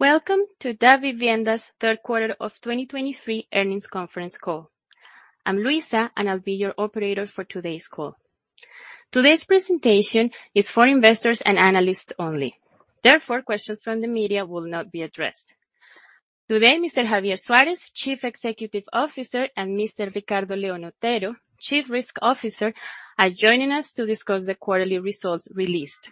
Welcome to Davivienda's Third Quarter of 2023 Earnings Conference Call. I'm Luisa, and I'll be your operator for today's call. Today's presentation is for investors and analysts only. Therefore, questions from the media will not be addressed. Today, Mr. Javier Suárez, Chief Executive Officer, and Mr. Ricardo León Otero, Chief Risk Officer, are joining us to discuss the quarterly results released.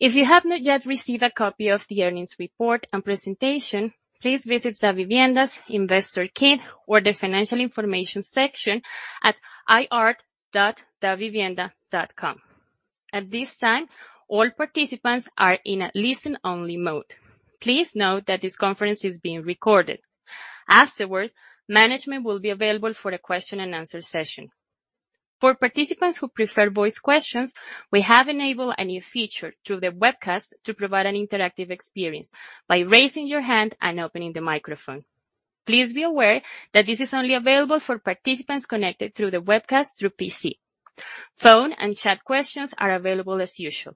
If you have not yet received a copy of the earnings report and presentation, please visit Davivienda's Investor Kit or the Financial Information section at ir.davivienda.com. At this time, all participants are in a listen-only mode. Please note that this conference is being recorded. Afterwards, management will be available for a question and answer session. For participants who prefer voice questions, we have enabled a new feature through the webcast to provide an interactive experience by raising your hand and opening the microphone. Please be aware that this is only available for participants connected through the webcast through PC. Phone and chat questions are available as usual.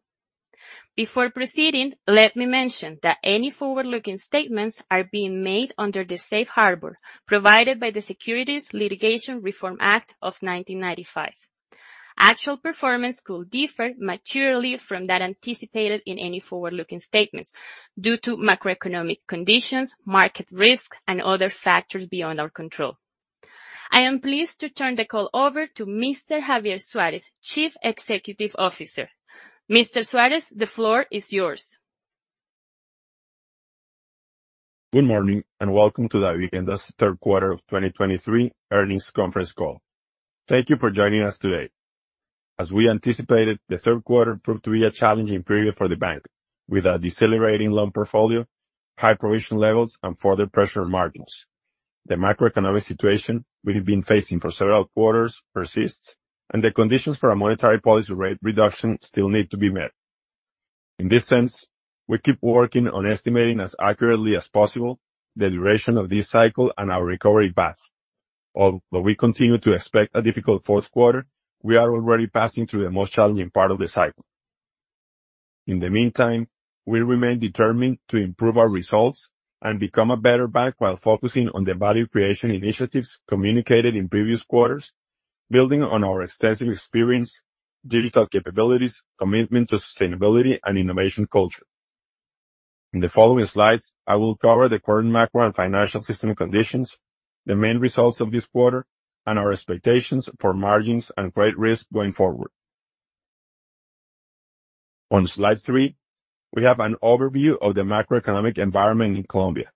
Before proceeding, let me mention that any forward-looking statements are being made under the Safe Harbor provided by the Securities Litigation Reform Act of 1995. Actual performance could differ materially from that anticipated in any forward-looking statements due to macroeconomic conditions, market risks, and other factors beyond our control. I am pleased to turn the call over to Mr. Javier Suárez, Chief Executive Officer. Mr. Suárez, the floor is yours. Good morning, and welcome to Davivienda's Third Quarter of 2023 Earnings Conference Call. Thank you for joining us today. As we anticipated, the third quarter proved to be a challenging period for the bank, with a decelerating loan portfolio, high provision levels, and further pressure on margins. The macroeconomic situation we have been facing for several quarters persists, and the conditions for a monetary policy rate reduction still need to be met. In this sense, we keep working on estimating as accurately as possible the duration of this cycle and our recovery path. Although we continue to expect a difficult fourth quarter, we are already passing through the most challenging part of the cycle. In the meantime, we remain determined to improve our results and become a better bank while focusing on the value creation initiatives communicated in previous quarters, building on our extensive experience, digital capabilities, commitment to sustainability, and innovation culture. In the following slides, I will cover the current macro and financial system conditions, the main results of this quarter, and our expectations for margins and credit risk going forward. On slide three, we have an overview of the macroeconomic environment in Colombia.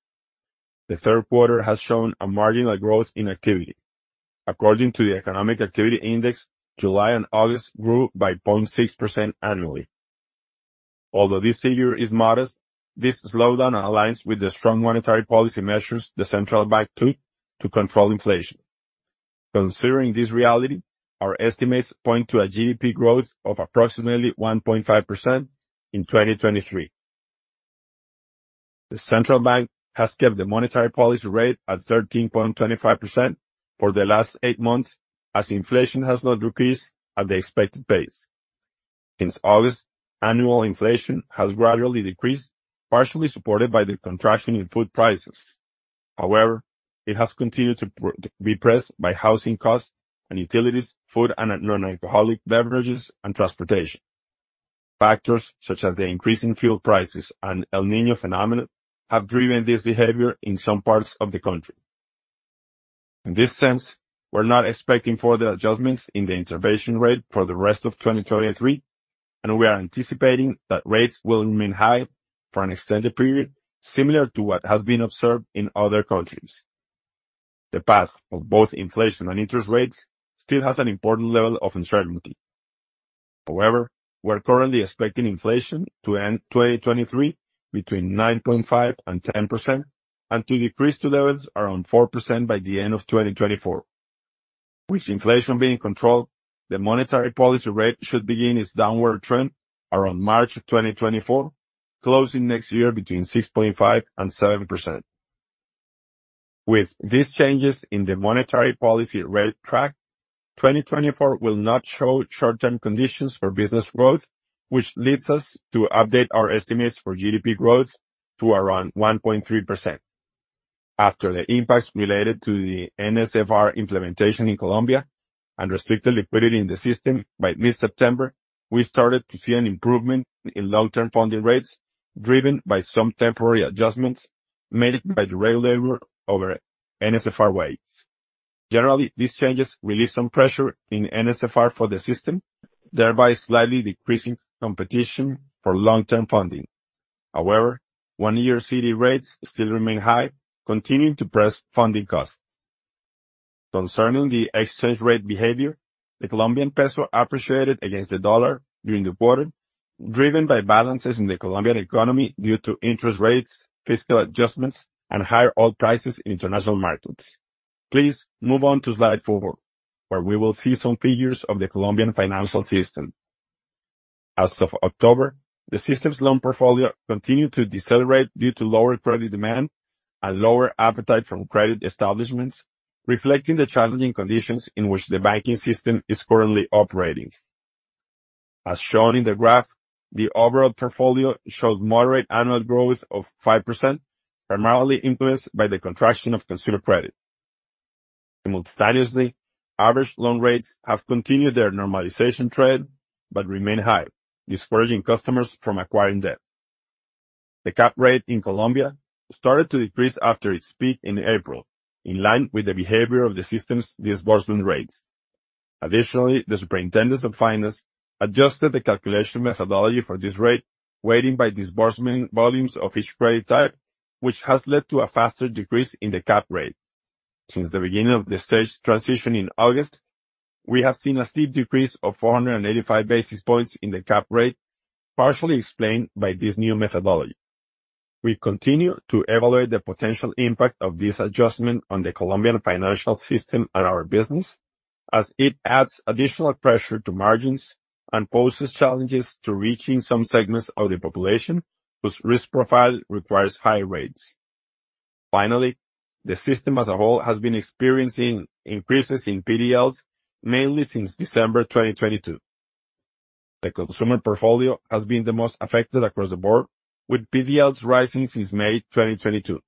The third quarter has shown a marginal growth in activity. According to the Economic Activity Index, July and August grew by 0.6% annually. Although this figure is modest, this slowdown aligns with the strong monetary policy measures the central bank took to control inflation. Considering this reality, our estimates point to a GDP growth of approximately 1.5% in 2023. The central bank has kept the monetary policy rate at 13.25% for the last eight months, as inflation has not decreased at the expected pace. Since August, annual inflation has gradually decreased, partially supported by the contraction in food prices. However, it has continued to be pressed by housing costs and utilities, food and non-alcoholic beverages, and transportation. Factors such as the increase in fuel prices and El Niño phenomenon have driven this behavior in some parts of the country. In this sense, we're not expecting further adjustments in the intervention rate for the rest of 2023, and we are anticipating that rates will remain high for an extended period, similar to what has been observed in other countries. The path of both inflation and interest rates still has an important level of uncertainty. However, we are currently expecting inflation to end 2023 between 9.5% and 10%, and to decrease to levels around 4% by the end of 2024. With inflation being controlled, the monetary policy rate should begin its downward trend around March of 2024, closing next year between 6.5% and 7%. With these changes in the monetary policy rate track, 2024 will not show short-term conditions for business growth, which leads us to update our estimates for GDP growth to around 1.3%. After the impacts related to the NSFR implementation in Colombia and restricted liquidity in the system, by mid-September, we started to see an improvement in long-term funding rates, driven by some temporary adjustments made by the regulator over NSFR weights. Generally, these changes relieve some pressure in NSFR for the system, thereby slightly decreasing competition for long-term funding. However, one-year CD rates still remain high, continuing to press funding costs. Concerning the exchange rate behavior, the Colombian peso appreciated against the U.S. dollar during the quarter, driven by balances in the Colombian economy due to interest rates, fiscal adjustments, and higher oil prices in international markets. Please move on to slide four, where we will see some figures of the Colombian financial system. As of October, the system's loan portfolio continued to decelerate due to lower credit demand and lower appetite from credit establishments, reflecting the challenging conditions in which the banking system is currently operating. As shown in the graph, the overall portfolio showed moderate annual growth of 5%, primarily influenced by the contraction of consumer credit. Simultaneously, average loan rates have continued their normalization trend, but remain high, discouraging customers from acquiring debt. The cap rate in Colombia started to decrease after its peak in April, in line with the behavior of the system's disbursement rates. Additionally, the Superintendent of Finance adjusted the calculation methodology for this rate, weighting by disbursement volumes of each credit type, which has led to a faster decrease in the cap rate. Since the beginning of the stage transition in August, we have seen a steep decrease of 485 basis points in the cap rate, partially explained by this new methodology. We continue to evaluate the potential impact of this adjustment on the Colombian financial system and our business, as it adds additional pressure to margins and poses challenges to reaching some segments of the population whose risk profile requires high rates. Finally, the system as a whole has been experiencing increases in PDLs, mainly since December 2022. The consumer portfolio has been the most affected across the board, with PDLs rising since May 2022,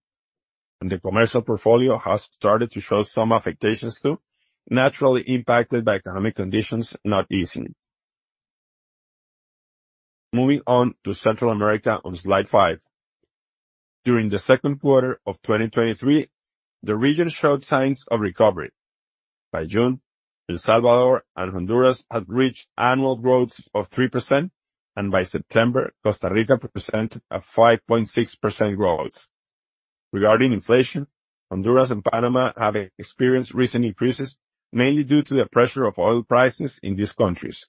and the commercial portfolio has started to show some affectations, too, naturally impacted by economic conditions not easing. Moving on to Central America on slide 5. During the second quarter of 2023, the region showed signs of recovery. By June, El Salvador and Honduras had reached annual growth of 3%, and by September, Costa Rica presented a 5.6% growth. Regarding inflation, Honduras and Panama have experienced recent increases, mainly due to the pressure of oil prices in these countries.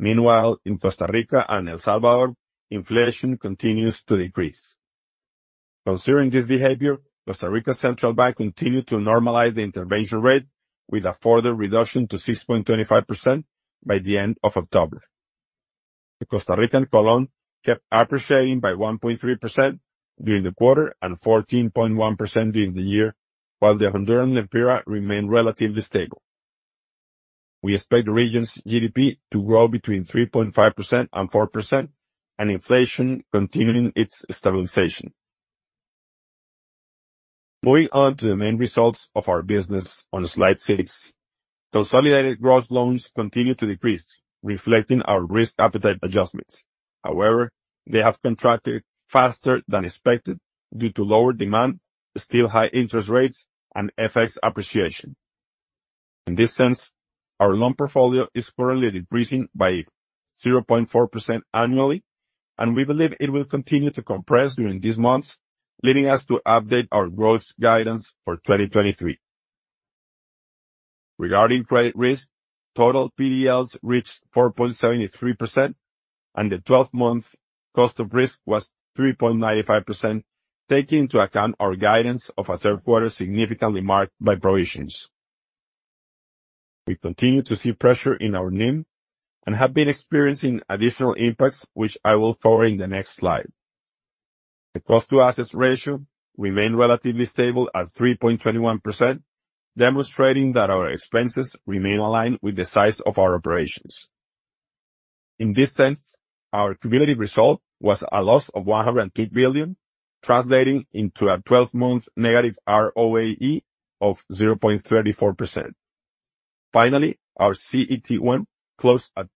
Meanwhile, in Costa Rica and El Salvador, inflation continues to decrease. Considering this behavior, Costa Rica's central bank continued to normalize the intervention rate with a further reduction to 6.25% by the end of October. The Costa Rican colon kept appreciating by 1.3% during the quarter and 14.1% during the year, while the Honduran lempira remained relatively stable. We expect the region's GDP to grow between 3.5% and 4%, and inflation continuing its stabilization. Moving on to the main results of our business on slide six. Consolidated gross loans continued to decrease, reflecting our risk appetite adjustments. However, they have contracted faster than expected due to lower demand, still high interest rates, and FX appreciation. In this sense, our loan portfolio is currently decreasing by 0.4% annually, and we believe it will continue to compress during these months, leading us to update our growth guidance for 2023. Regarding credit risk, total PDLs reached 4.73%, and the twelve-month cost of risk was 3.95%, taking into account our guidance of a third quarter, significantly marked by provisions. We continue to see pressure in our NIM and have been experiencing additional impacts, which I will cover in the next slide. The cost to assets ratio remained relatively stable at 3.21%, demonstrating that our expenses remain aligned with the size of our operations. In this sense, our cumulative result was a loss of COP 102 billion, translating into a twelve-month negative ROAE of 0.34%. Finally, our CET1 closed at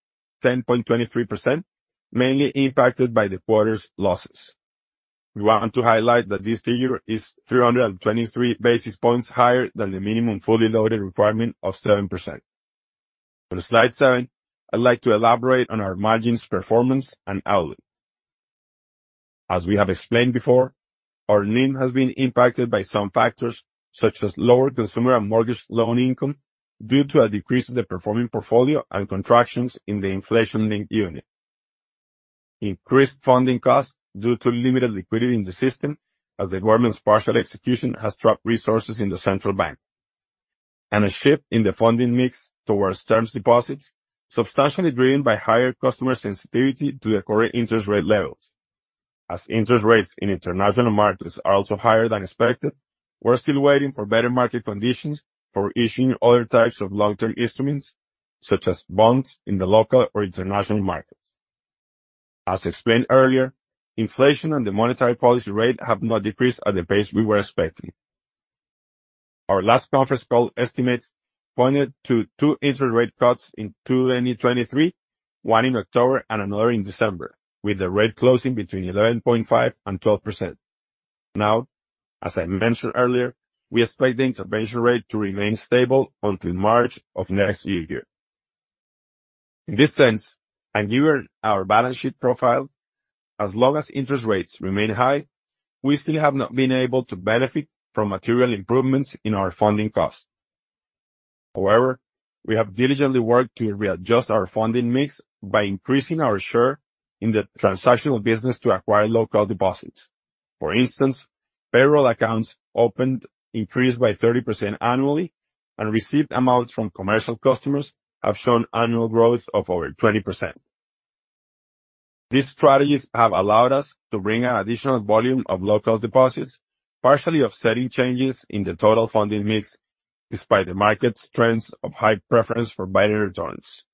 10.23%, mainly impacted by the quarter's losses. We want to highlight that this figure is 323 basis points higher than the minimum fully loaded requirement of 7%. For slide 7, I'd like to elaborate on our margins, performance, and outlook. As we have explained before, our NIM has been impacted by some factors, such as lower consumer and mortgage loan income due to a decrease in the performing portfolio and contractions in the inflation-linked unit. Increased funding costs due to limited liquidity in the system, as the government's partial execution has trapped resources in the central bank. And a shift in the funding mix towards terms deposits, substantially driven by higher customer sensitivity to the current interest rate levels. As interest rates in international markets are also higher than expected, we're still waiting for better market conditions for issuing other types of long-term instruments, such as bonds in the local or international markets. As explained earlier, inflation and the monetary policy rate have not decreased at the pace we were expecting. Our last conference call estimates pointed to two interest rate cuts in 2023, one in October and another in December, with the rate closing between 11.5% and 12%. Now, as I mentioned earlier, we expect the intervention rate to remain stable until March of next year. In this sense, and given our balance sheet profile, as long as interest rates remain high, we still have not been able to benefit from material improvements in our funding costs. However, we have diligently worked to readjust our funding mix by increasing our share in the transactional business to acquire local deposits. For instance, payroll accounts opened increased by 30% annually, and received amounts from commercial customers have shown annual growth of over 20%. These strategies have allowed us to bring an additional volume of local deposits, partially offsetting changes in the total funding mix, despite the market's trends of high preference for better returns.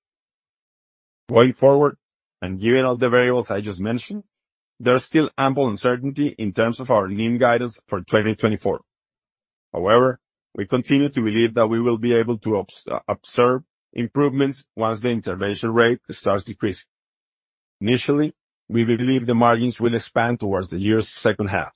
Going forward, and given all the variables I just mentioned, there's still ample uncertainty in terms of our NIM guidance for 2024. However, we continue to believe that we will be able to observe improvements once the intervention rate starts decreasing. Initially, we believe the margins will expand towards the year's second half.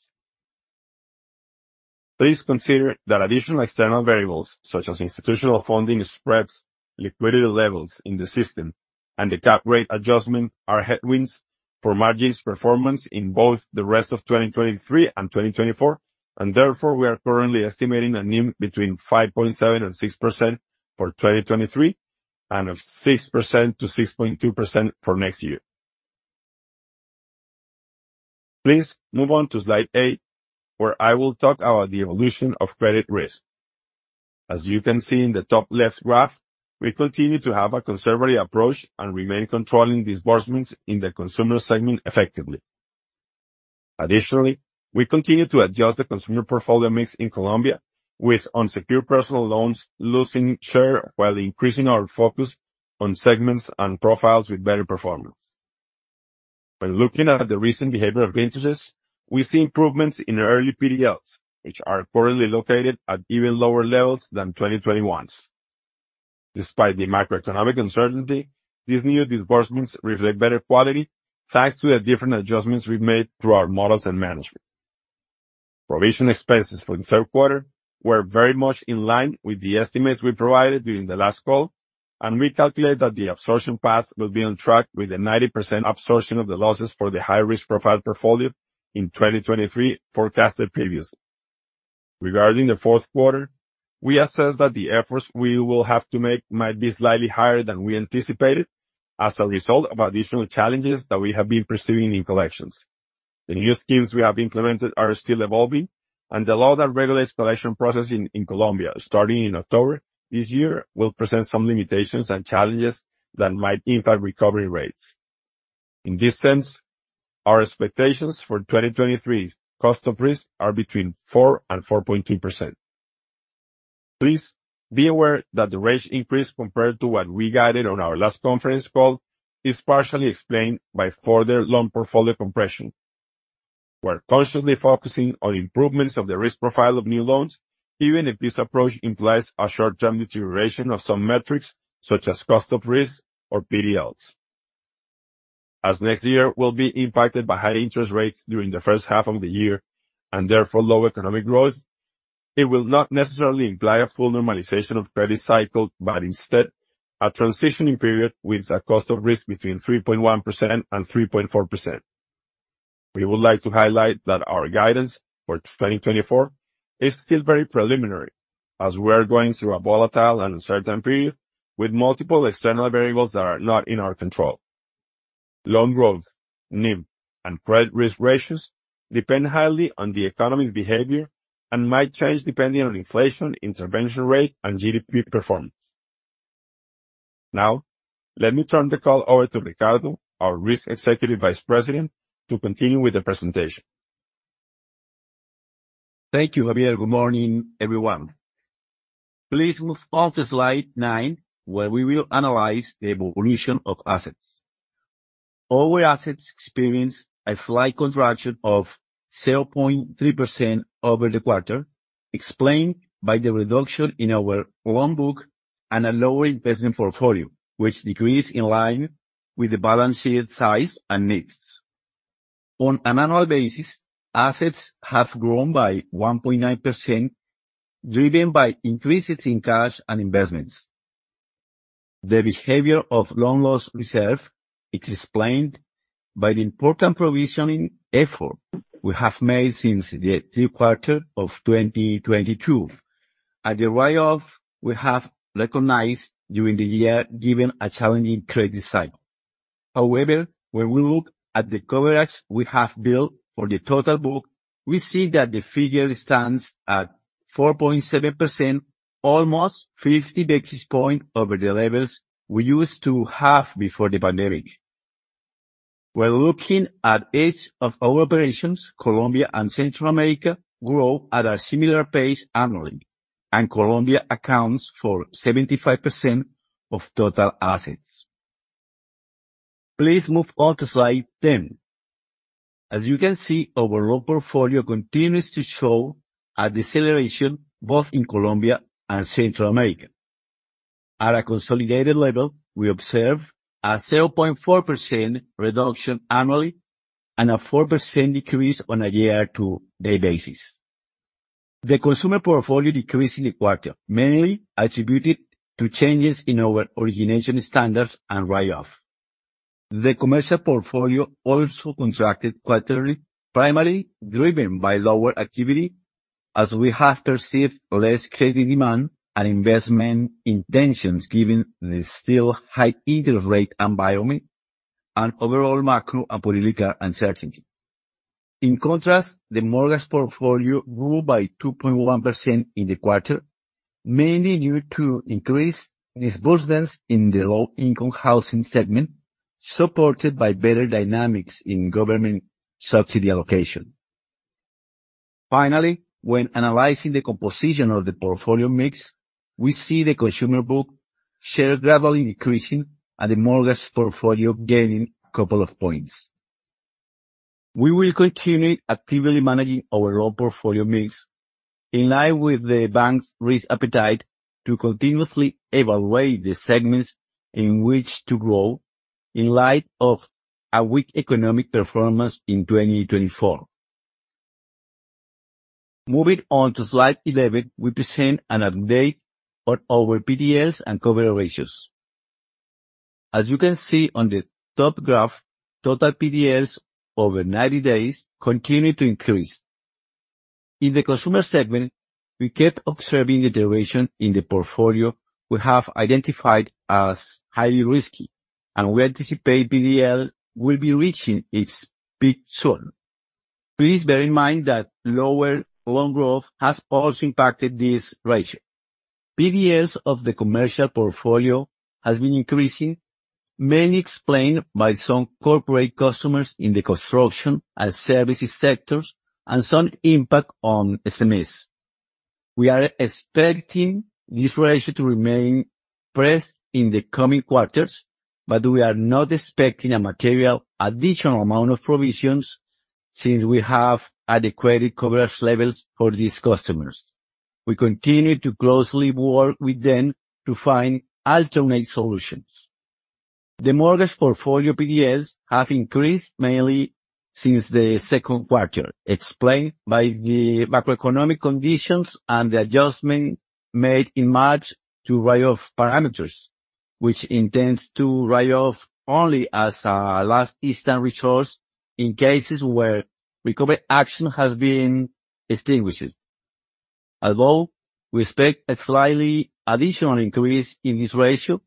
Please consider that additional external variables, such as institutional funding spreads, liquidity levels in the system, and the cap rate adjustment, are headwinds for margins performance in both the rest of 2023 and 2024, and therefore, we are currently estimating a NIM between 5.7% and 6% for 2023, and of 6%-6.2% for next year. Please move on to slide eight, where I will talk about the evolution of credit risk. As you can see in the top left graph, we continue to have a conservative approach and remain controlling disbursements in the consumer segment effectively. Additionally, we continue to adjust the consumer portfolio mix in Colombia, with unsecured personal loans losing share while increasing our focus on segments and profiles with better performance. When looking at the recent behavior of vintages, we see improvements in early PDLs, which are currently located at even lower levels than 2021's. Despite the macroeconomic uncertainty, these new disbursements reflect better quality, thanks to the different adjustments we've made through our models and management. Provision expenses for the third quarter were very much in line with the estimates we provided during the last call, and we calculate that the absorption path will be on track with the 90% absorption of the losses for the high-risk profile portfolio in 2023 forecasted previously. Regarding the fourth quarter, we assess that the efforts we will have to make might be slightly higher than we anticipated as a result of additional challenges that we have been perceiving in collections. The new schemes we have implemented are still evolving, and the law that regulates collection processing in Colombia, starting in October this year, will present some limitations and challenges that might impact recovery rates. In this sense, our expectations for 2023's cost of risk are between 4% and 4.2%. Please be aware that the range increase compared to what we guided on our last conference call is partially explained by further loan portfolio compression. We're constantly focusing on improvements of the risk profile of new loans, even if this approach implies a short-term deterioration of some metrics, such as cost of risk or PDLs. As next year will be impacted by high interest rates during the first half of the year, and therefore lower economic growth, it will not necessarily imply a full normalization of credit cycle, but instead a transitioning period with a cost of risk between 3.1% and 3.4%. We would like to highlight that our guidance for 2024 is still very preliminary, as we are going through a volatile and uncertain period with multiple external variables that are not in our control. Loan growth, NIM, and credit risk ratios depend highly on the economy's behavior and might change depending on inflation, intervention rate, and GDP performance. Now, let me turn the call over to Ricardo, our Risk Executive Vice President, to continue with the presentation. Thank you, Javier. Good morning, everyone. Please move on to slide nine, where we will analyze the evolution of assets. Our assets experienced a slight contraction of 0.3% over the quarter, explained by the reduction in our loan book and a lower investment portfolio, which decreased in line with the balance sheet size and needs. On an annual basis, assets have grown by 1.9%, driven by increases in cash and investments. The behavior of loan loss reserve is explained by the important provisioning effort we have made since the third quarter of 2022, and the write-off we have recognized during the year, given a challenging credit cycle. However, when we look at the coverage we have built for the total book, we see that the figure stands at 4.7%, almost 50 basis points over the levels we used to have before the pandemic. When looking at each of our operations, Colombia and Central America grow at a similar pace annually, and Colombia accounts for 75% of total assets. Please move on to slide 10. As you can see, our loan portfolio continues to show a deceleration both in Colombia and Central America. At a consolidated level, we observe a 0.4% reduction annually and a 4% decrease on a year-to-date basis. The consumer portfolio decreased in the quarter, mainly attributed to changes in our origination standards and write-off. The commercial portfolio also contracted quarterly, primarily driven by lower activity, as we have perceived less credit demand and investment intentions, given the still high interest rate environment and overall macro and political uncertainty. In contrast, the mortgage portfolio grew by 2.1% in the quarter, mainly due to increased disbursements in the low-income housing segment, supported by better dynamics in government subsidy allocation. Finally, when analyzing the composition of the portfolio mix, we see the consumer book share gradually decreasing and the mortgage portfolio gaining a couple of points. We will continue actively managing our loan portfolio mix in line with the bank's risk appetite to continuously evaluate the segments in which to grow in light of a weak economic performance in 2024. Moving on to slide 11, we present an update on our PDLs and coverage ratios. As you can see on the top graph, total PDLs over 90 days continued to increase. In the consumer segment, we kept observing the duration in the portfolio we have identified as highly risky, and we anticipate PDL will be reaching its peak soon. Please bear in mind that lower loan growth has also impacted this ratio. PDLs of the commercial portfolio has been increasing, mainly explained by some corporate customers in the construction and services sectors and some impact on SMEs. We are expecting this ratio to remain pressed in the coming quarters, but we are not expecting a material additional amount of provisions since we have adequate coverage levels for these customers. We continue to closely work with them to find alternate solutions. The mortgage portfolio PDLs have increased mainly since the second quarter, explained by the macroeconomic conditions and the adjustment made in March to write-off parameters, which intends to write off only as a last instance resource in cases where recovery action has been extinguished. Although we expect a slightly additional increase in this ratio,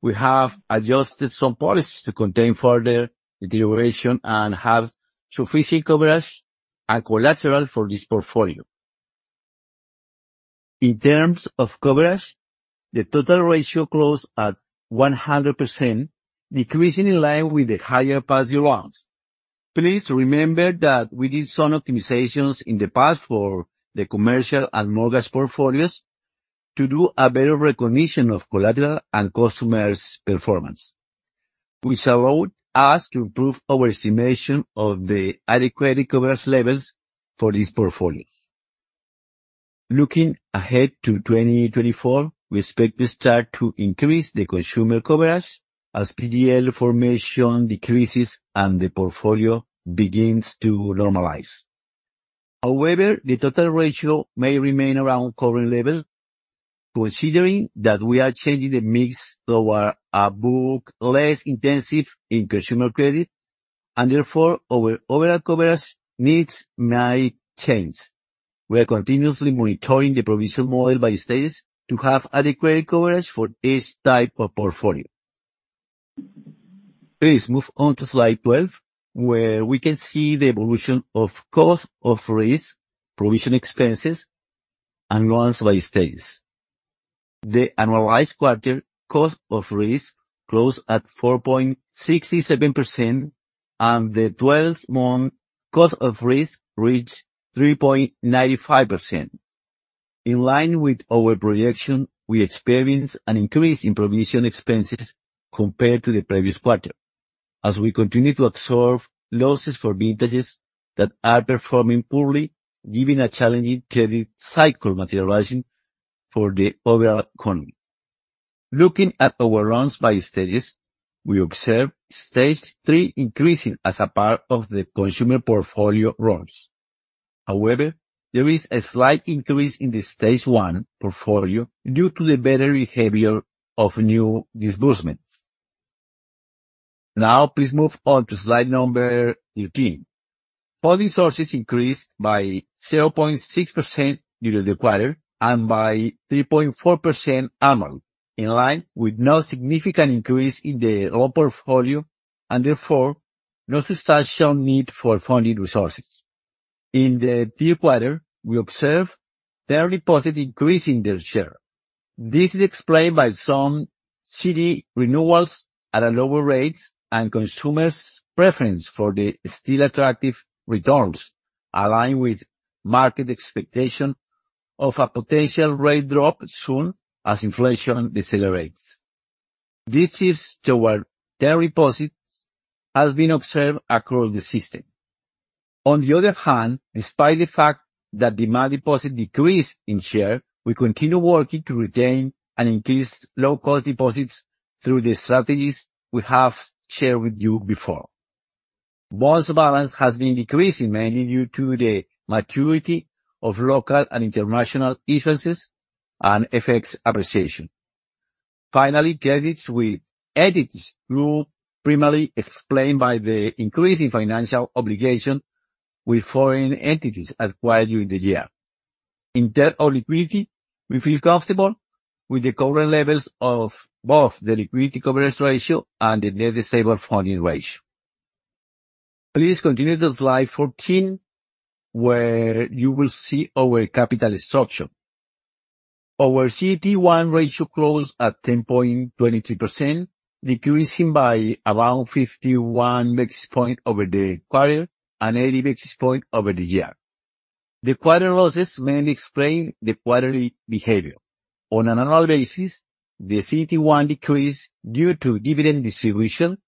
we have adjusted some policies to contain further deterioration and have sufficient coverage and collateral for this portfolio. In terms of coverage, the total ratio closed at 100%, decreasing in line with the higher past due loans. Please remember that we did some optimizations in the past for the commercial and mortgage portfolios to do a better recognition of collateral and customers' performance, which allowed us to improve our estimation of the adequate coverage levels for these portfolios. Looking ahead to 2024, we expect to start to increase the consumer coverage as PDL formation decreases and the portfolio begins to normalize. However, the total ratio may remain around current level, considering that we are changing the mix toward a book less intensive in consumer credit, and therefore, our overall coverage needs might change. We are continuously monitoring the provision model by status to have adequate coverage for each type of portfolio. Please move on to slide 12, where we can see the evolution of cost of risk, provision expenses, and loans by status. The annualized quarter cost of risk closed at 4.67%, and the twelve-month cost of risk reached 3.95%. In line with our projection, we experienced an increase in provision expenses compared to the previous quarter, as we continue to absorb losses for vintages that are performing poorly, giving a challenging credit cycle materializing for the overall economy. Looking at our loans by status, we observe Stage 3 increasing as a part of the consumer portfolio loans. However, there is a slight increase in the Stage 1 portfolio due to the better behavior of new disbursements. Now, please move on to slide number 13. Funding sources increased by 0.6% during the quarter and by 3.4% annually, in line with no significant increase in the loan portfolio, and therefore, no substantial need for funding resources. In the third quarter, we observed term deposit increase in their share. This is explained by some CD renewals at a lower rate and consumers' preference for the still attractive returns, aligned with market expectation of a potential rate drop soon as inflation decelerates. These shifts toward term deposits has been observed across the system. On the other hand, despite the fact that demand deposit decreased in share, we continue working to retain and increase low-cost deposits through the strategies we have shared with you before. Bonds balance has been decreasing, mainly due to the maturity of local and international issuances and FX appreciation. Finally, credits with entities grew primarily explained by the increase in financial obligation with foreign entities acquired during the year. In terms of liquidity, we feel comfortable with the current levels of both the liquidity coverage ratio and the net stable funding ratio. Please continue to slide 14, where you will see our capital structure. Our CET1 ratio closed at 10.23%, decreasing by around 51 basis points over the quarter and 80 basis points over the year. The quarter losses mainly explain the quarterly behavior. On an annual basis, the CET1 decreased due to dividend distribution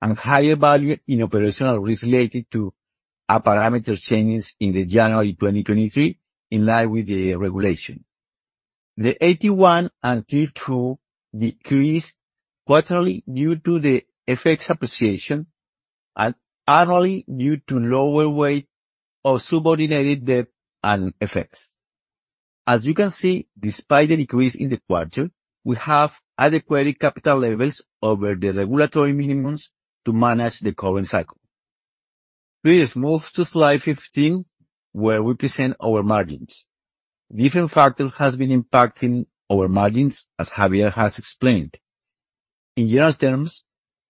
and higher value in operational risk related to a parameter changes in January 2023, in line with the regulation. The AT1 and Tier 2 decreased quarterly due to the FX appreciation and annually due to lower weight of subordinated debt and FX. As you can see, despite the decrease in the quarter, we have adequate capital levels over the regulatory minimums to manage the current cycle. Please move to slide 15, where we present our margins. Different factor has been impacting our margins, as Javier has explained. In general terms,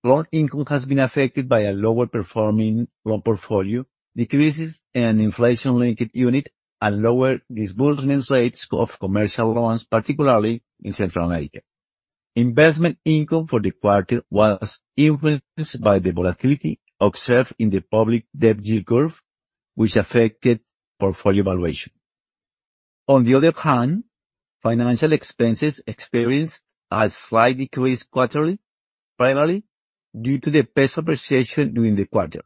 loan income has been affected by a lower performing loan portfolio, decreases in inflation-linked unit, and lower disbursement rates of commercial loans, particularly in Central America. Investment income for the quarter was influenced by the volatility observed in the public debt yield curve, which affected portfolio valuation. On the other hand, financial expenses experienced a slight decrease quarterly, primarily due to the peso appreciation during the quarter.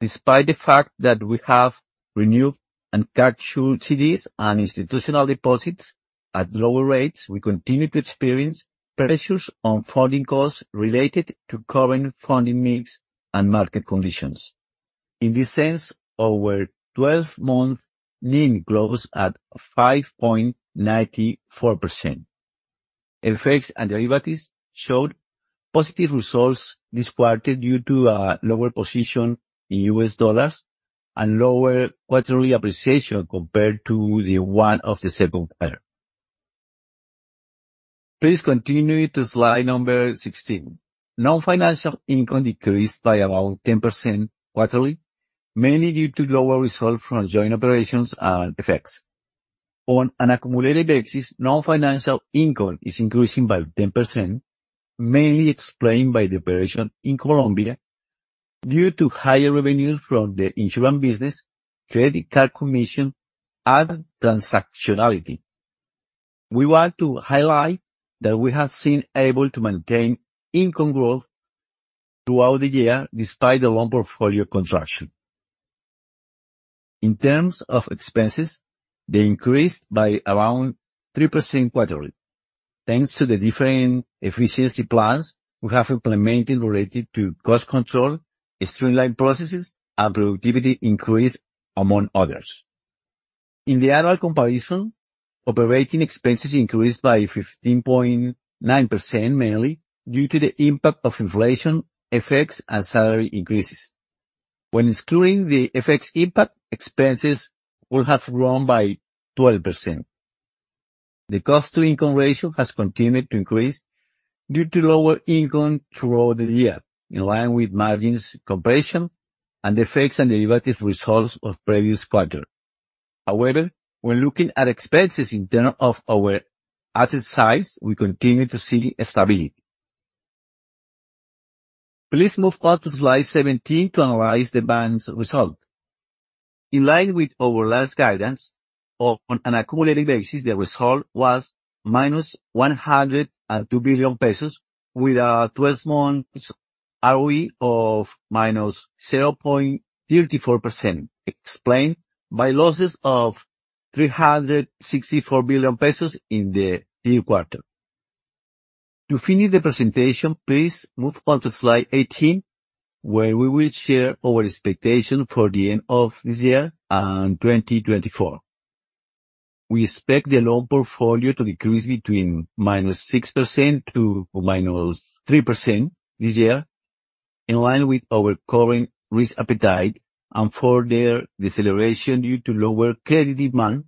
Despite the fact that we have renewed and captured CDs and institutional deposits at lower rates, we continue to experience pressures on funding costs related to current funding mix and market conditions. In this sense, our twelve-month NIM closed at 5.94%. FX and derivatives showed positive results this quarter due to a lower position in U.S. dollars and lower quarterly appreciation compared to the one of the second quarter. Please continue to slide number 16. Non-financial income decreased by about 10% quarterly, mainly due to lower results from joint operations and FX. On an accumulated basis, non-financial income is increasing by 10%, mainly explained by the operation in Colombia, due to higher revenues from the insurance business, credit card commission, and transactionality. We want to highlight that we have been able to maintain income growth throughout the year despite the loan portfolio contraction. In terms of expenses, they increased by around 3% quarterly, thanks to the different efficiency plans we have implemented related to cost control, streamlined processes, and productivity increase, among others. In the annual comparison, operating expenses increased by 15.9%, mainly due to the impact of inflation effects and salary increases. When excluding the FX impact, expenses would have grown by 12%. The cost to income ratio has continued to increase due to lower income throughout the year, in line with margins compression and the effects and derivative results of previous quarters. However, when looking at expenses in terms of our asset size, we continue to see stability. Please move on to slide 17 to analyze the bank's result. In line with our last guidance, on an accumulated basis, the result was minus COP 102 billion, with a twelve-month ROE of -0.34%, explained by losses of COP 364 billion in the third quarter. To finish the presentation, please move on to slide 18, where we will share our expectation for the end of this year and 2024. We expect the loan portfolio to decrease between -6% to -3% this year, in line with our current risk appetite and further deceleration due to lower credit demand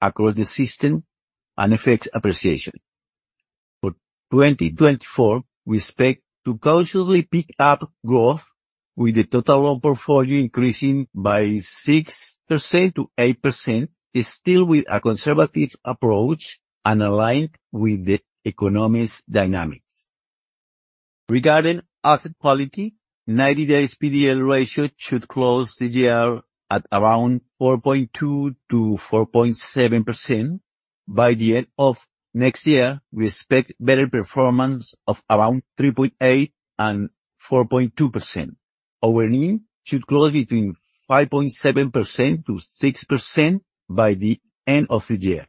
across the system and FX appreciation. For 2024, we expect to cautiously pick up growth, with the total loan portfolio increasing by 6%-8%, still with a conservative approach and aligned with the economic dynamics. Regarding asset quality, 90-days PDL ratio should close the year at around 4.2%-4.7%. By the end of next year, we expect better performance of around 3.8% and 4.2%. Our NIM should close between 5.7%-6% by the end of the year.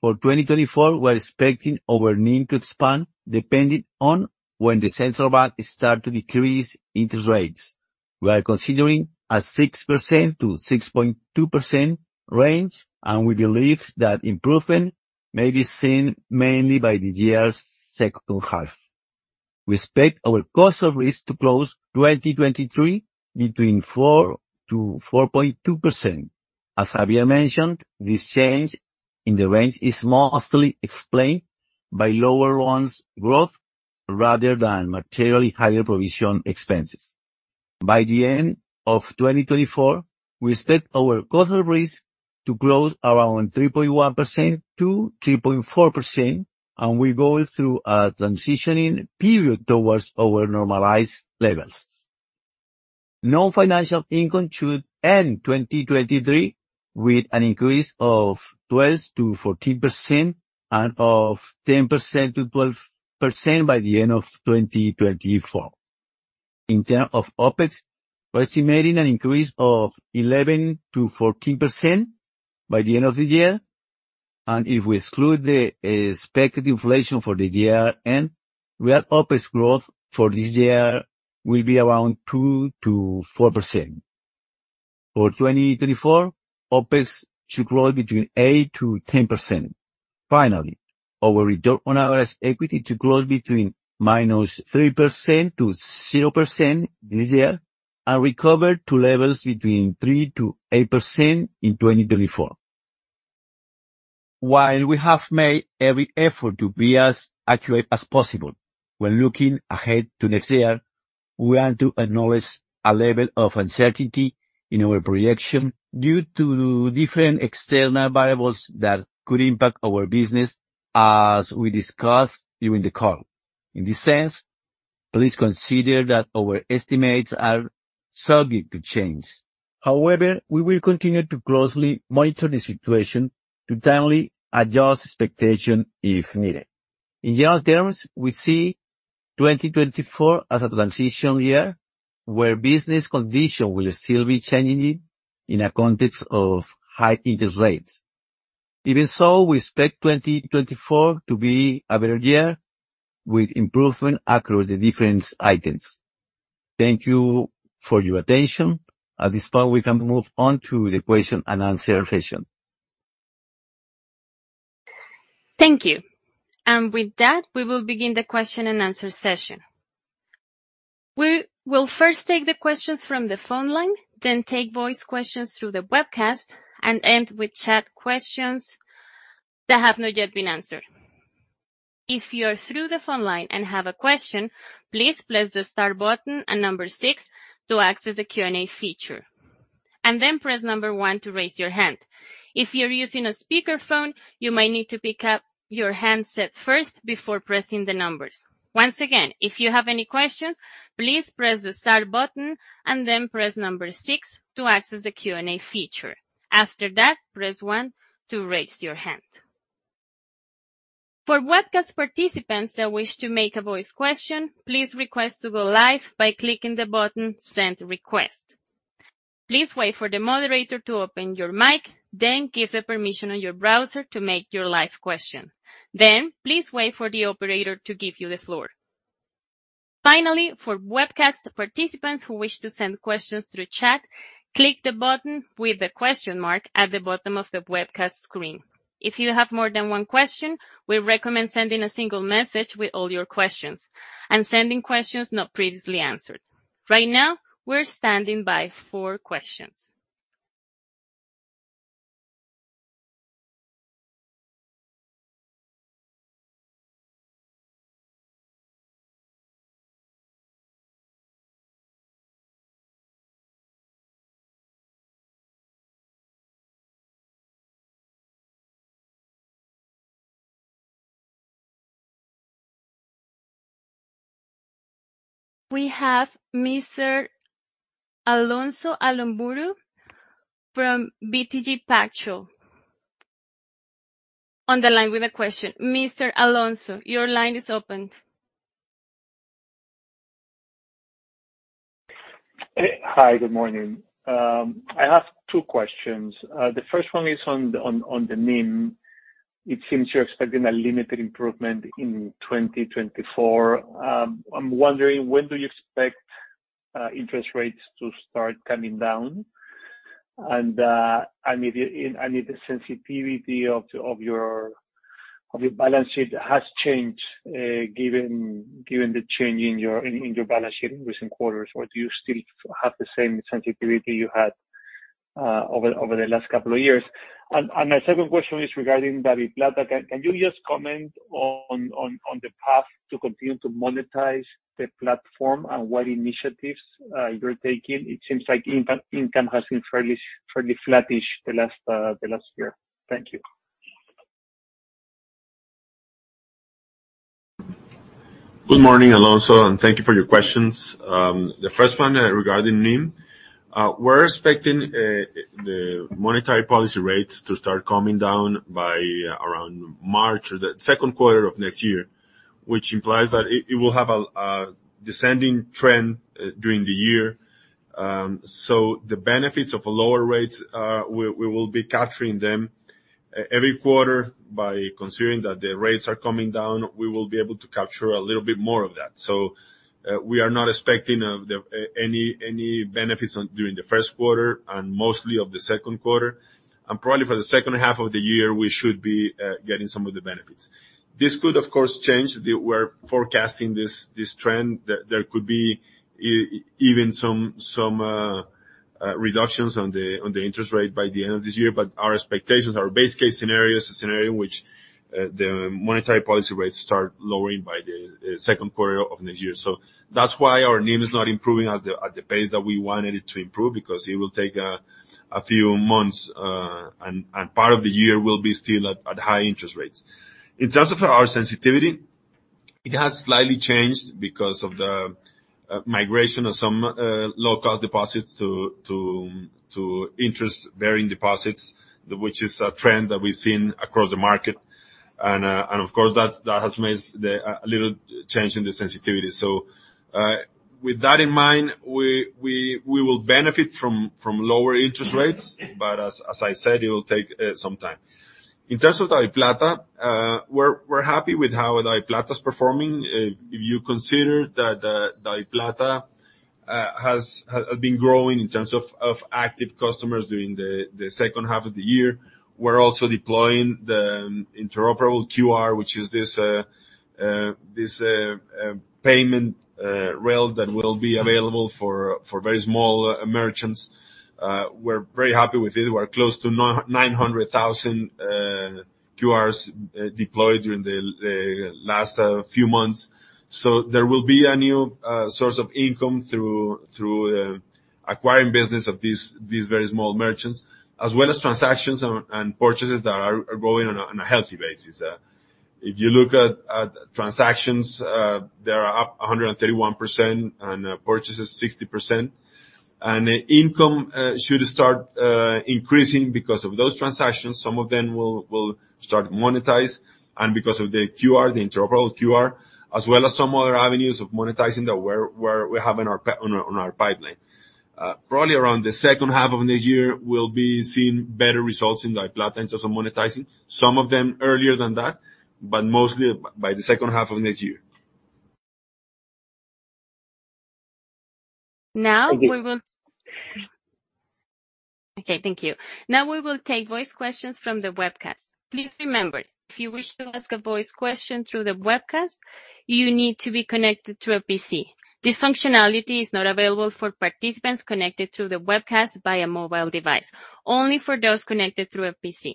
For 2024, we are expecting our NIM to expand depending on when the Central Bank start to decrease interest rates. We are considering a 6%-6.2% range, and we believe that improvement may be seen mainly by the year's second half. We expect our cost of risk to close 2023 between 4%-4.2%. As Javier mentioned, this change in the range is mostly explained by lower loans growth rather than materially higher provision expenses. By the end of 2024, we expect our cost of risk to close around 3.1%-3.4%, and we go through a transitioning period towards our normalized levels. Non-financial income should end 2023 with an increase of 12%-14% and of 10%-12% by the end of 2024. In terms of OpEx, we're estimating an increase of 11%-14% by the end of the year, and if we exclude the expected inflation for the year end, real OpEx growth for this year will be around 2%-4%. For 2024, OpEx should grow between 8%-10%. Finally, our return on average equity to grow between -3%-0% this year and recover to levels between 3%-8% in 2024. While we have made every effort to be as accurate as possible, when looking ahead to next year, we want to acknowledge a level of uncertainty in our projection due to different external variables that could impact our business, as we discussed during the call. In this sense, please consider that our estimates are subject to change. However, we will continue to closely monitor the situation to timely adjust expectation if needed. In general terms, we see 2024 as a transition year, where business conditions will still be changing in a context of high interest rates. Even so, we expect 2024 to be a better year, with improvement across the different items. Thank you for your attention. At this point, we can move on to the question-and-answer session. Thank you. With that, we will begin the question-and-answer session. We will first take the questions from the phone line, then take voice questions through the webcast, and end with chat questions that have not yet been answered. If you're through the phone line and have a question, please press the star button and number six to access the Q&A feature, and then press one to raise your hand. If you're using a speakerphone, you might need to pick up your handset first before pressing the numbers. Once again, if you have any questions, please press the star button and then press six to access the Q&A feature. After that, press one to raise your hand. For webcast participants that wish to make a voice question, please request to go live by clicking the button, Send Request. Please wait for the moderator to open your mic, then give the permission on your browser to make your live question. Then, please wait for the operator to give you the floor. Finally, for webcast participants who wish to send questions through chat, click the button with the question mark at the bottom of the webcast screen. If you have more than one question, we recommend sending a single message with all your questions and sending questions not previously answered. Right now, we're standing by for questions. We have Mr. Alonso Aramburú from BTG Pactual on the line with a question. Mr. Alonso, your line is open. Hi, good morning. I have two questions. The first one is on the NIM. It seems you're expecting a limited improvement in 2024. I'm wondering, when do you expect interest rates to start coming down? And, and if the sensitivity of your balance sheet has changed, given the change in your balance sheet in recent quarters, or do you still have the same sensitivity you had over the last couple of years? And, my second question is regarding DaviPlata. Can you just comment on the path to continue to monetize the platform and what initiatives you're taking? It seems like income has been fairly flattish the last year. Thank you. Good morning, Alonso, and thank you for your questions. The first one regarding NIM. We're expecting the monetary policy rates to start coming down by around March or the second quarter of next year, which implies that it will have a descending trend during the year. So the benefits of lower rates, we will be capturing them every quarter. By considering that the rates are coming down, we will be able to capture a little bit more of that. So we are not expecting any benefits during the first quarter and most of the second quarter, and probably for the second half of the year, we should be getting some of the benefits. This could, of course, change. We're forecasting this trend. There could be even some reductions in the interest rate by the end of this year, but our expectations, our base case scenario is a scenario in which the monetary policy rates start lowering by the second quarter of next year. So that's why our NIM is not improving at the pace that we wanted it to improve, because it will take a few months, and part of the year will be still at high interest rates. In terms of our sensitivity, it has slightly changed because of the migration of some low-cost deposits to interest-varying deposits, which is a trend that we've seen across the market. And of course, that has made a little change in the sensitivity. So with that in mind, we will benefit from lower interest rates, but as I said, it will take some time. In terms of DaviPlata, we're happy with how DaviPlata is performing. If you consider that DaviPlata has been growing in terms of active customers during the second half of the year. We're also deploying the interoperable QR, which is this payment rail that will be available for very small merchants. We're very happy with it. We're close to 900,000 QRs deployed during the last few months. So there will be a new source of income through acquiring business of these very small merchants, as well as transactions and purchases that are growing on a healthy basis. If you look at transactions, they are up 131%, and purchases, 60%. And income should start increasing because of those transactions. Some of them will start to monetize, and because of the QR, the interoperable QR, as well as some other avenues of monetizing that we have on our pipeline. Probably around the second half of next year, we'll be seeing better results in DaviPlata in terms of monetizing. Some of them earlier than that, but mostly by the second half of next year. Okay, thank you. Now we will take voice questions from the webcast. Please remember, if you wish to ask a voice question through the webcast, you need to be connected to a PC. This functionality is not available for participants connected through the webcast by a mobile device, only for those connected through a PC.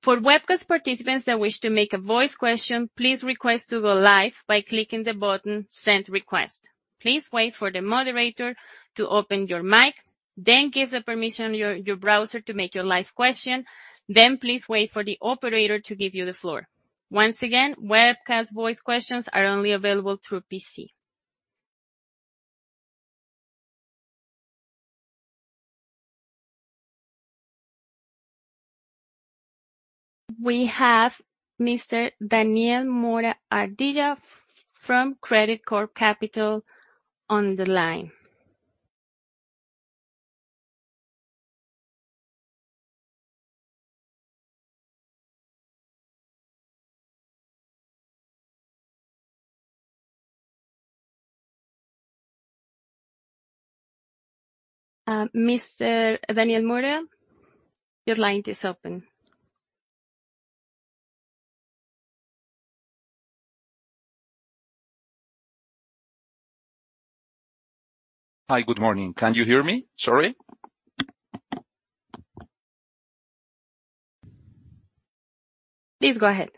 For webcast participants that wish to make a voice question, please request to go live by clicking the button, Send Request. Please wait for the moderator to open your mic, then give permission to your browser to make your live question. Then please wait for the operator to give you the floor. Once again, webcast voice questions are only available through PC. We have Mr. Daniel Mora Ardila from Credicorp Capital on the line. Mr. Daniel Mora, your line is open. Hi, good morning. Can you hear me? Sorry. Please go ahead.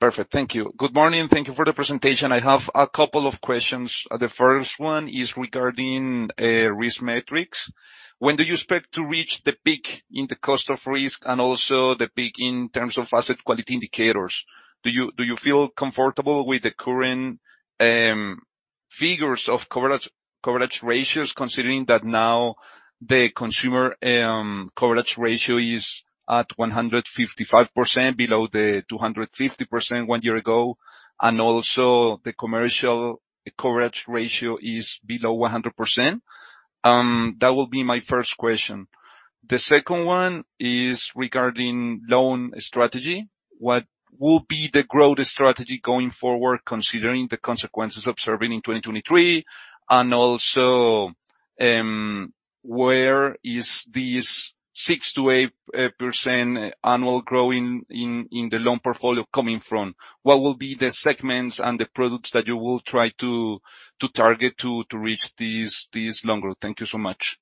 Perfect. Thank you. Good morning, and thank you for the presentation. I have a couple of questions. The first one is regarding risk metrics. When do you expect to reach the peak in the cost of risk and also the peak in terms of asset quality indicators? Do you feel comfortable with the current figures of coverage ratios, considering that now the consumer coverage ratio is at 155%, below the 250% one year ago, and also the commercial coverage ratio is below 100%? That will be my first question. The second one is regarding loan strategy. What will be the growth strategy going forward, considering the consequences observed in 2023? And also, where is this 6%-8% annual growth in the loan portfolio coming from? What will be the segments and the products that you will try to target to reach these loan growth? Thank you so much.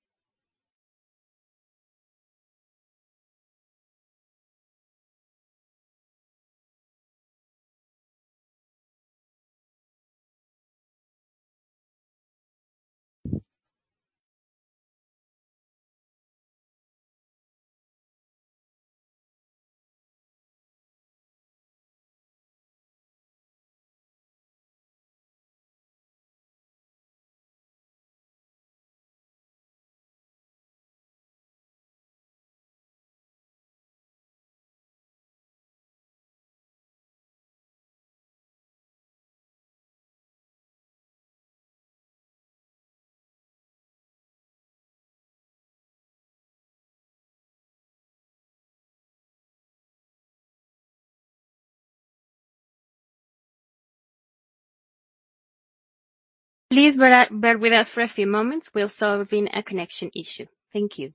Please bear, bear with us for a few moments. We're solving a connection issue. Thank you.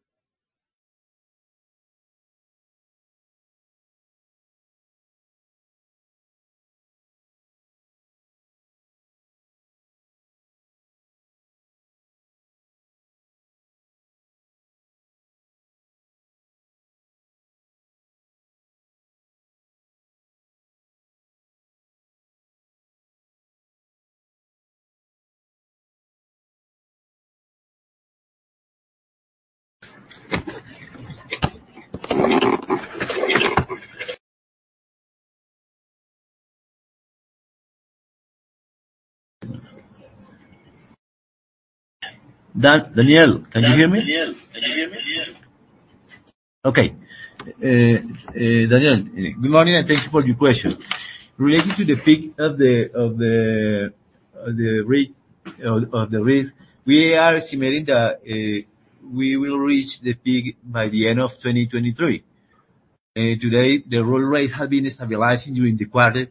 Daniel, can you hear me? Okay. Daniel, good morning, and thank you for your question. Related to the peak of the rate of the risk, we are estimating that we will reach the peak by the end of 2023. Today, the roll rate has been stabilizing during the quarter,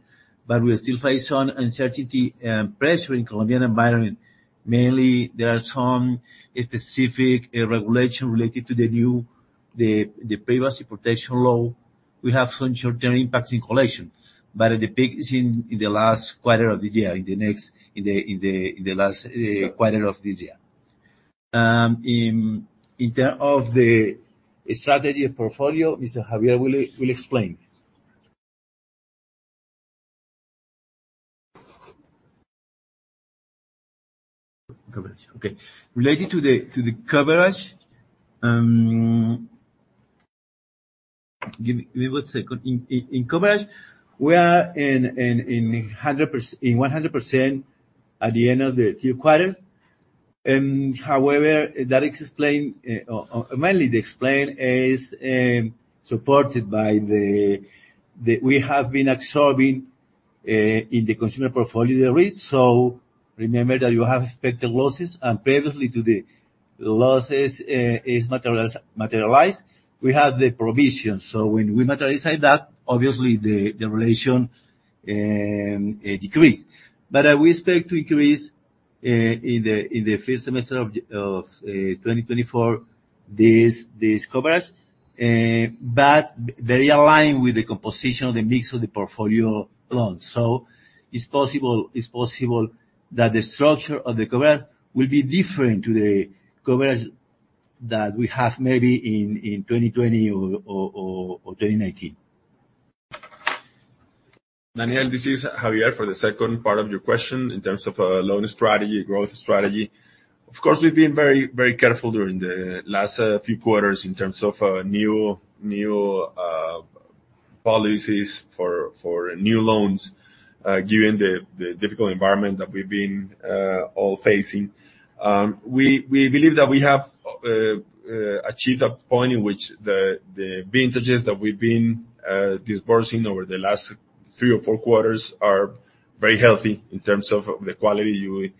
but we still face some uncertainty and pressure in the Colombian environment. Mainly, there are some specific regulation related to the new privacy protection law. We have some short-term impacts in collection, but the peak is in the last quarter of this year. In term of the strategy of portfolio, Mr. Javier will explain. Coverage. Okay. Related to the coverage. Give me one second. In coverage, we are in 100% at the end of the third quarter. However, that explained mainly the explained is supported by the. We have been absorbing in the consumer portfolio the risk. So remember that you have expected losses, and previously to the losses is materialized, we had the provision. So when we materialize that, obviously, the relation decrease. But we expect to increase in the first semester of 2024 this coverage but they align with the composition of the mix of the portfolio loans. So it's possible, it's possible that the structure of the coverage will be different to the coverage that we have maybe in 2020 or 2019. Daniel, this is Javier. For the second part of your question, in terms of loan strategy, growth strategy, of course, we've been very, very careful during the last few quarters in terms of new policies for new loans, given the difficult environment that we've been all facing. We believe that we have achieved a point in which the vintages that we've been disbursing over the last three or four quarters are very healthy in terms of the quality.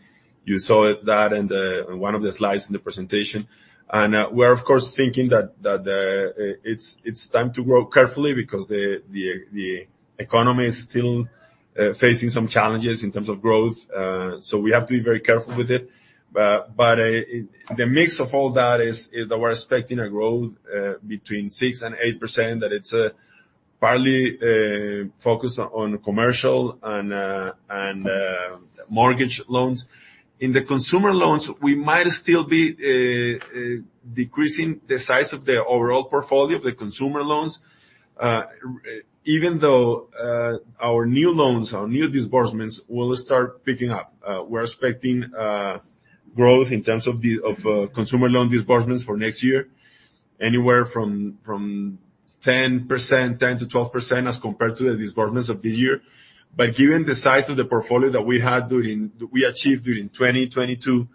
You saw that in one of the slides in the presentation. And we're of course thinking that it's time to grow carefully because the economy is still facing some challenges in terms of growth. So we have to be very careful with it. But the mix of all that is that we're expecting a growth between 6% and 8%, that it's partly focused on commercial and mortgage loans. In the consumer loans, we might still be decreasing the size of the overall portfolio of the consumer loans, even though our new loans, our new disbursements will start picking up. We're expecting growth in terms of the consumer loan disbursements for next year, anywhere from 10%-12% as compared to the disbursements of this year. But given the size of the portfolio that we had during we achieved during 2022,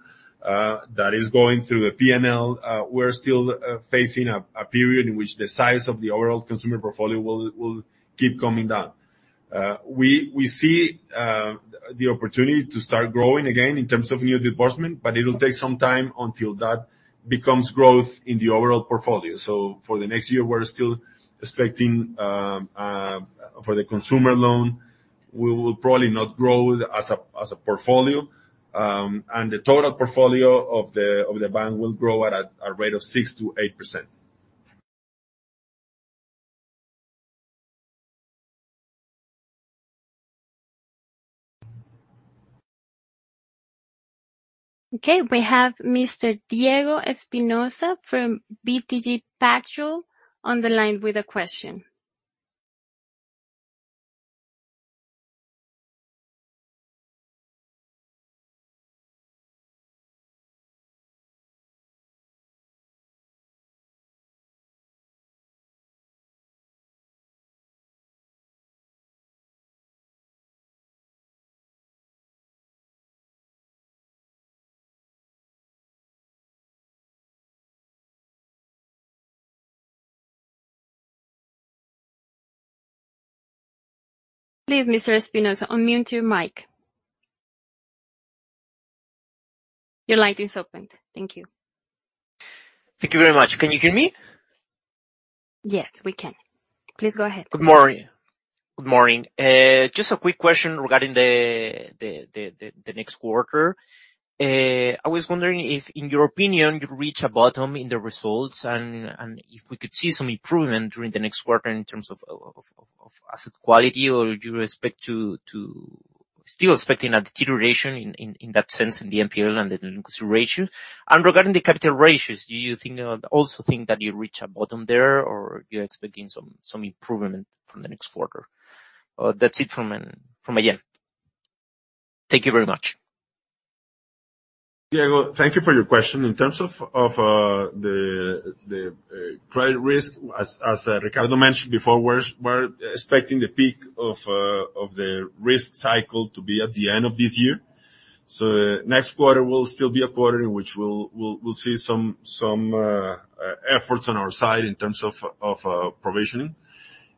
that is going through a PDL, we're still facing a period in which the size of the overall consumer portfolio will keep coming down. We see the opportunity to start growing again in terms of new disbursement, but it will take some time until that becomes growth in the overall portfolio. So for the next year, we're still expecting, for the consumer loan, we will probably not grow as a portfolio. And the total portfolio of the bank will grow at a rate of 6%-8%. Okay, we have Mr. Diego Espinoza from BTG Pactual on the line with a question. Please, Mr. Espinoza, unmute your mic. Your line is open. Thank you. Thank you very much. Can you hear me? Yes, we can. Please go ahead. Good morning. Good morning. Just a quick question regarding the next quarter. I was wondering if, in your opinion, you reach a bottom in the results and if we could see some improvement during the next quarter in terms of asset quality, or do you expect still expecting a deterioration in that sense, in the NPL and the delinquency ratio? And regarding the capital ratios, do you think also think that you reach a bottom there, or you're expecting some improvement from the next quarter? That's it from again. Thank you very much. Diego, thank you for your question. In terms of the credit risk, as Ricardo mentioned before, we're expecting the peak of the risk cycle to be at the end of this year. So next quarter will still be a quarter in which we'll see some efforts on our side in terms of provisioning.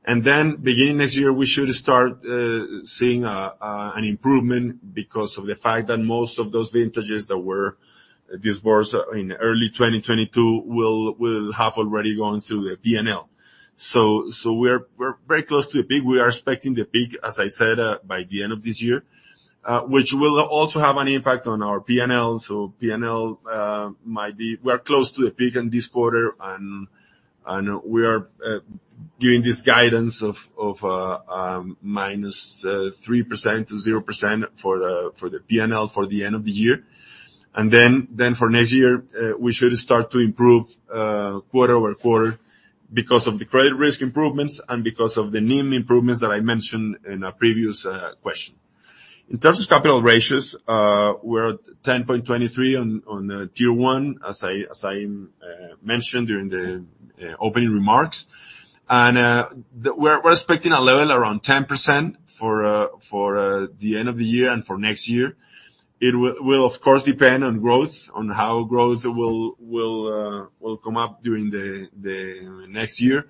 And then beginning next year, we should start seeing an improvement because of the fact that most of those vintages that were dispersed in early 2022 will have already gone through the PNL. So we're very close to the peak. We are expecting the peak, as I said, by the end of this year, which will also have an impact on our PNL. So PNL might be. We are close to the peak in this quarter, and we are giving this guidance of minus 3%-0% for the PNL for the end of the year. And then for next year, we should start to improve quarter-over-quarter because of the credit risk improvements and because of the NIM improvements that I mentioned in a previous question. In terms of capital ratios, we're at 10.23 on Tier 1, as I mentioned during the opening remarks. And we're expecting a level around 10% for the end of the year and for next year. It will of course depend on growth, on how growth will come up during the next year,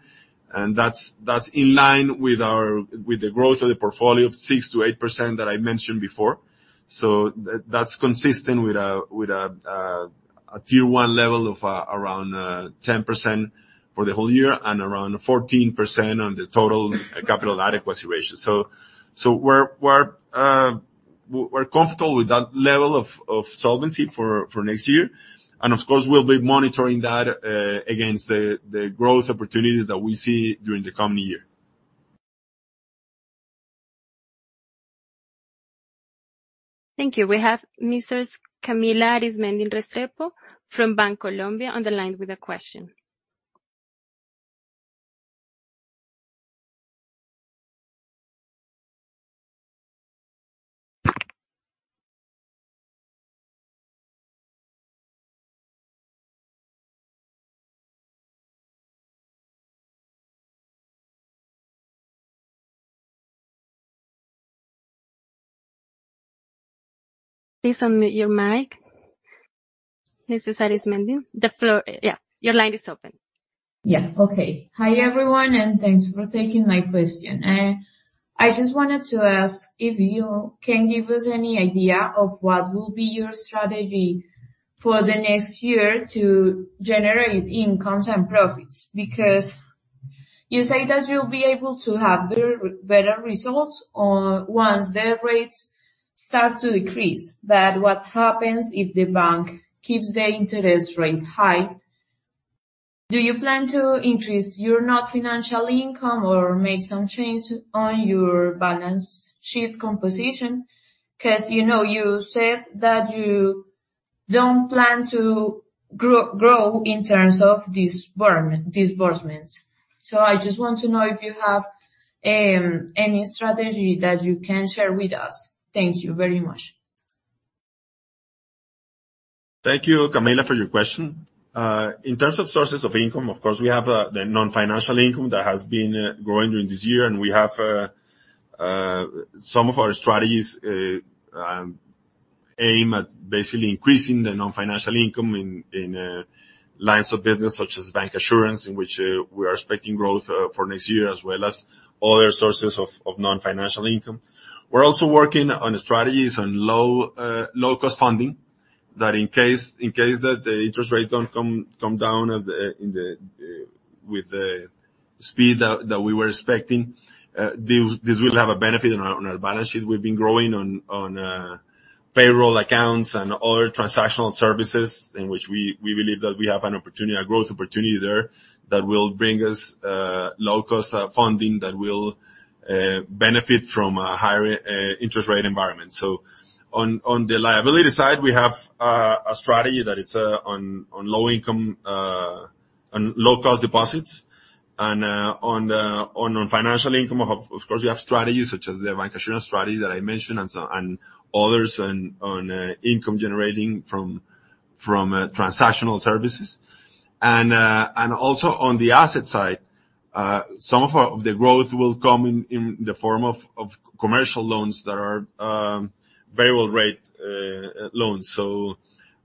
and that's in line with the growth of the portfolio of 6%-8% that I mentioned before. So that's consistent with a Tier 1 level of around 10% for the whole year and around 14% on the total capital adequacy ratio. So we're comfortable with that level of solvency for next year, and of course, we'll be monitoring that against the growth opportunities that we see during the coming year. Thank you. We have Mrs. Camila Arismendy Restrepo from Bancolombia on the line with a question. Please unmute your mic, Mrs. Arismendy. The floor. Yeah, your line is open. Yeah. Okay. Hi, everyone, and thanks for taking my question. I just wanted to ask if you can give us any idea of what will be your strategy for the next year to generate incomes and profits? Because you say that you'll be able to have better, better results once the rates start to decrease. But what happens if the bank keeps the interest rate high? Do you plan to increase your non-financial income or make some changes on your balance sheet composition? 'Cause, you know, you said that you don't plan to grow in terms of disbursement, disbursements. So I just want to know if you have any strategy that you can share with us. Thank you very much. Thank you, Camila, for your question. In terms of sources of income, of course, we have the non-financial income that has been growing during this year, and we have some of our strategies aim at basically increasing the non-financial income in lines of business such as bancassurance, in which we are expecting growth for next year, as well as other sources of non-financial income. We're also working on strategies on low-cost funding that in case that the interest rates don't come down as in the with the speed that we were expecting, this will have a benefit on our balance sheet. We've been growing on payroll accounts and other transactional services, in which we believe that we have an opportunity, a growth opportunity there, that will bring us low-cost funding, that will benefit from a higher interest rate environment. So on the liability side, we have a strategy that is on low-cost deposits, and on non-financial income, of course, we have strategies such as the bancassurance strategy that I mentioned and so, and others on income generating from transactional services. And also on the asset side, some of the growth will come in the form of commercial loans that are variable rate loans. So,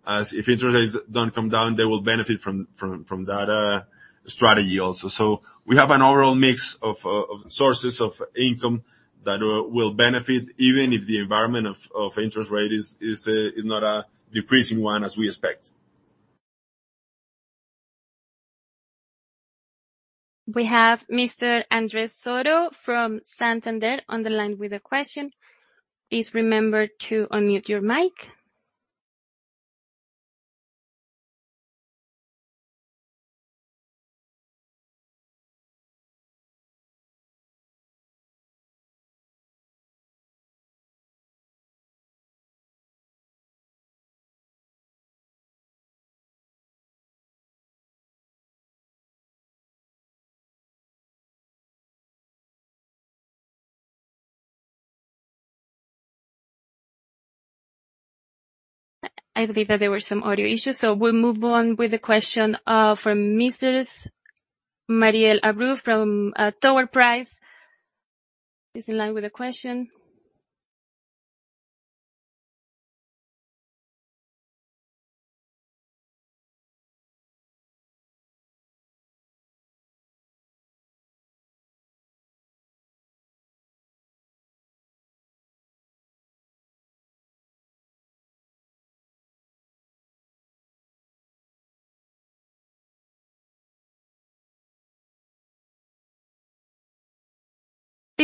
as if interest rates don't come down, they will benefit from that strategy also. So we have an overall mix of sources of income that will benefit even if the environment of interest rate is not a decreasing one as we expect. We have Mr. Andres Soto from Santander on the line with a question. Please remember to unmute your mic. I believe that there were some audio issues, so we'll move on with the question, from Mrs. Mariela Abreu from T. Rowe Price, is in line with a question.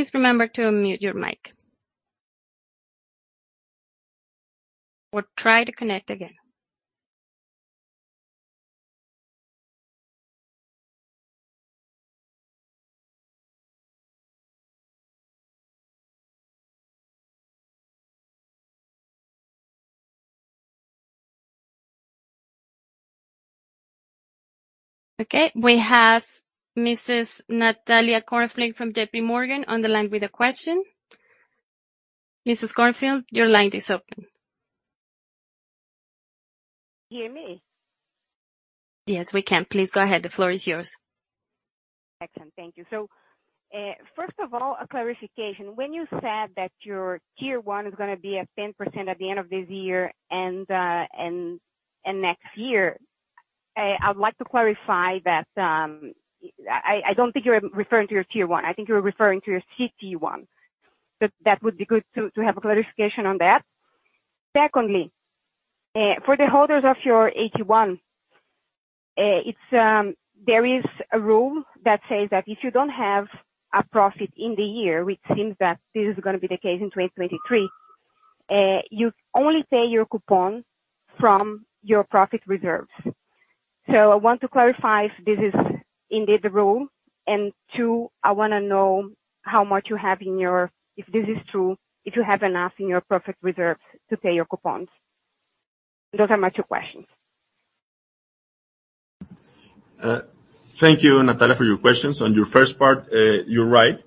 Please remember to unmute your mic. Or try to connect again. Okay, we have Mrs. Natalia Corfield from J.P. Morgan on the line with a question. Mrs. Corfield, your line is open. Can you hear me? Yes, we can. Please go ahead. The floor is yours. Excellent. Thank you. So, first of all, a clarification. When you said that your Tier 1 is gonna be at 10% at the end of this year and next year, I'd like to clarify that, I don't think you're referring to your Tier 1. I think you're referring to your CET1. But that would be good to have a clarification on that. Secondly, for the holders of your AT1, it's, there is a rule that says that if you don't have a profit in the year, which seems that this is gonna be the case in 2023, you only pay your coupon from your profit reserves. So I want to clarify if this is indeed the rule, and two, I wanna know how much you have in your—if this is true, if you have enough in your profit reserves to pay your coupons. Those are my two questions. Thank you, Natalia, for your questions. On your first part, you're right,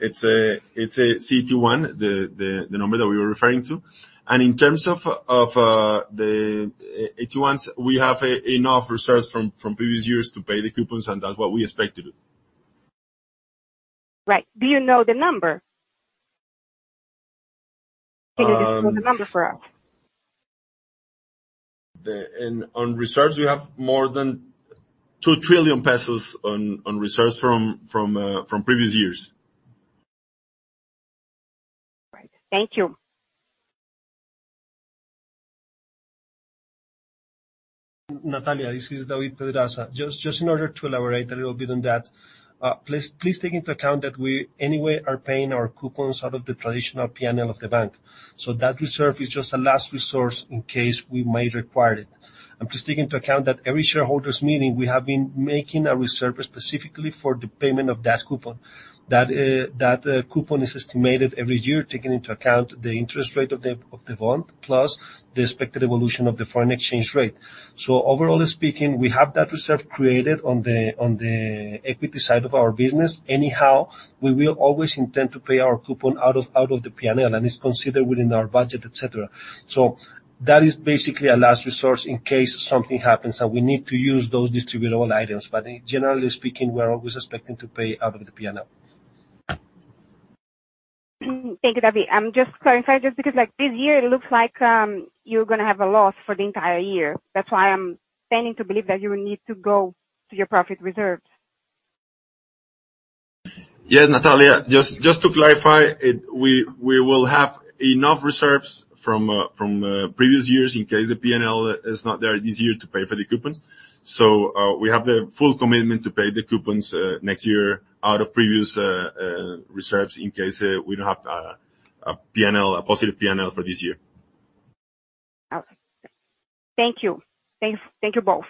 it's a CET1, the number that we were referring to. And in terms of the AT1s, we have enough reserves from previous years to pay the coupons, and that's what we expect to do. Right. Do you know the number? Um- Can you just spell the number for us? On reserves, we have more than COP 2 trillion on reserves from previous years. Right. Thank you. Natalia, this is David Pedraza. Just, just in order to elaborate a little bit on that, please, please take into account that we anyway are paying our coupons out of the traditional P&L of the bank. So that reserve is just a last resource in case we might require it. And please take into account that every shareholders meeting, we have been making a reserve specifically for the payment of that coupon. That, that, coupon is estimated every year, taking into account the interest rate of the, of the bond, plus the expected evolution of the foreign exchange rate. So overall speaking, we have that reserve created on the, on the equity side of our business. Anyhow, we will always intend to pay our coupon out of, out of the P&L, and it's considered within our budget, et cetera. That is basically a last resource in case something happens, and we need to use those distributable items. But generally speaking, we're always expecting to pay out of the P&L. Thank you, David. I'm just clarifying, just because, like, this year it looks like you're gonna have a loss for the entire year. That's why I'm tending to believe that you will need to go to your profit reserves. Yes, Natalia, just to clarify, we will have enough reserves from previous years in case the P&L is not there this year to pay for the coupons. So, we have the full commitment to pay the coupons next year out of previous reserves in case we don't have a P&L, a positive P&L for this year. Okay. Thank you. Thanks. Thank you both.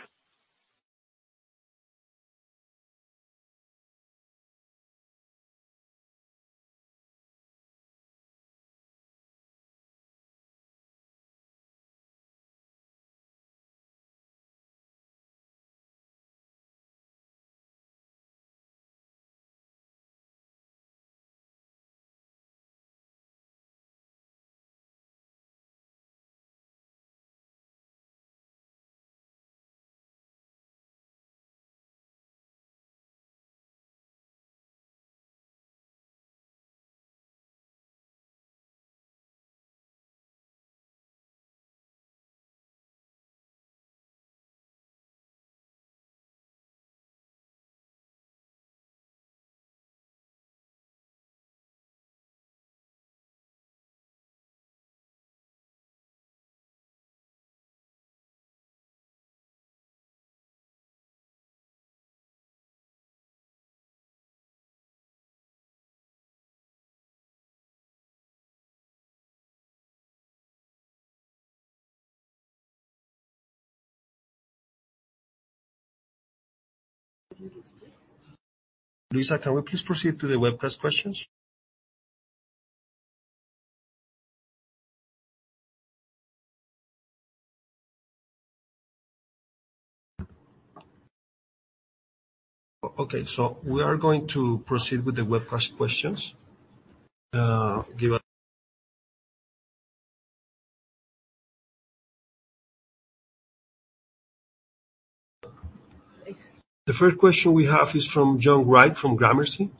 Luisa, can we please proceed to the webcast questions? Okay, so we are going to proceed with the webcast questions. The first question we have is from John Wright from Gramercy.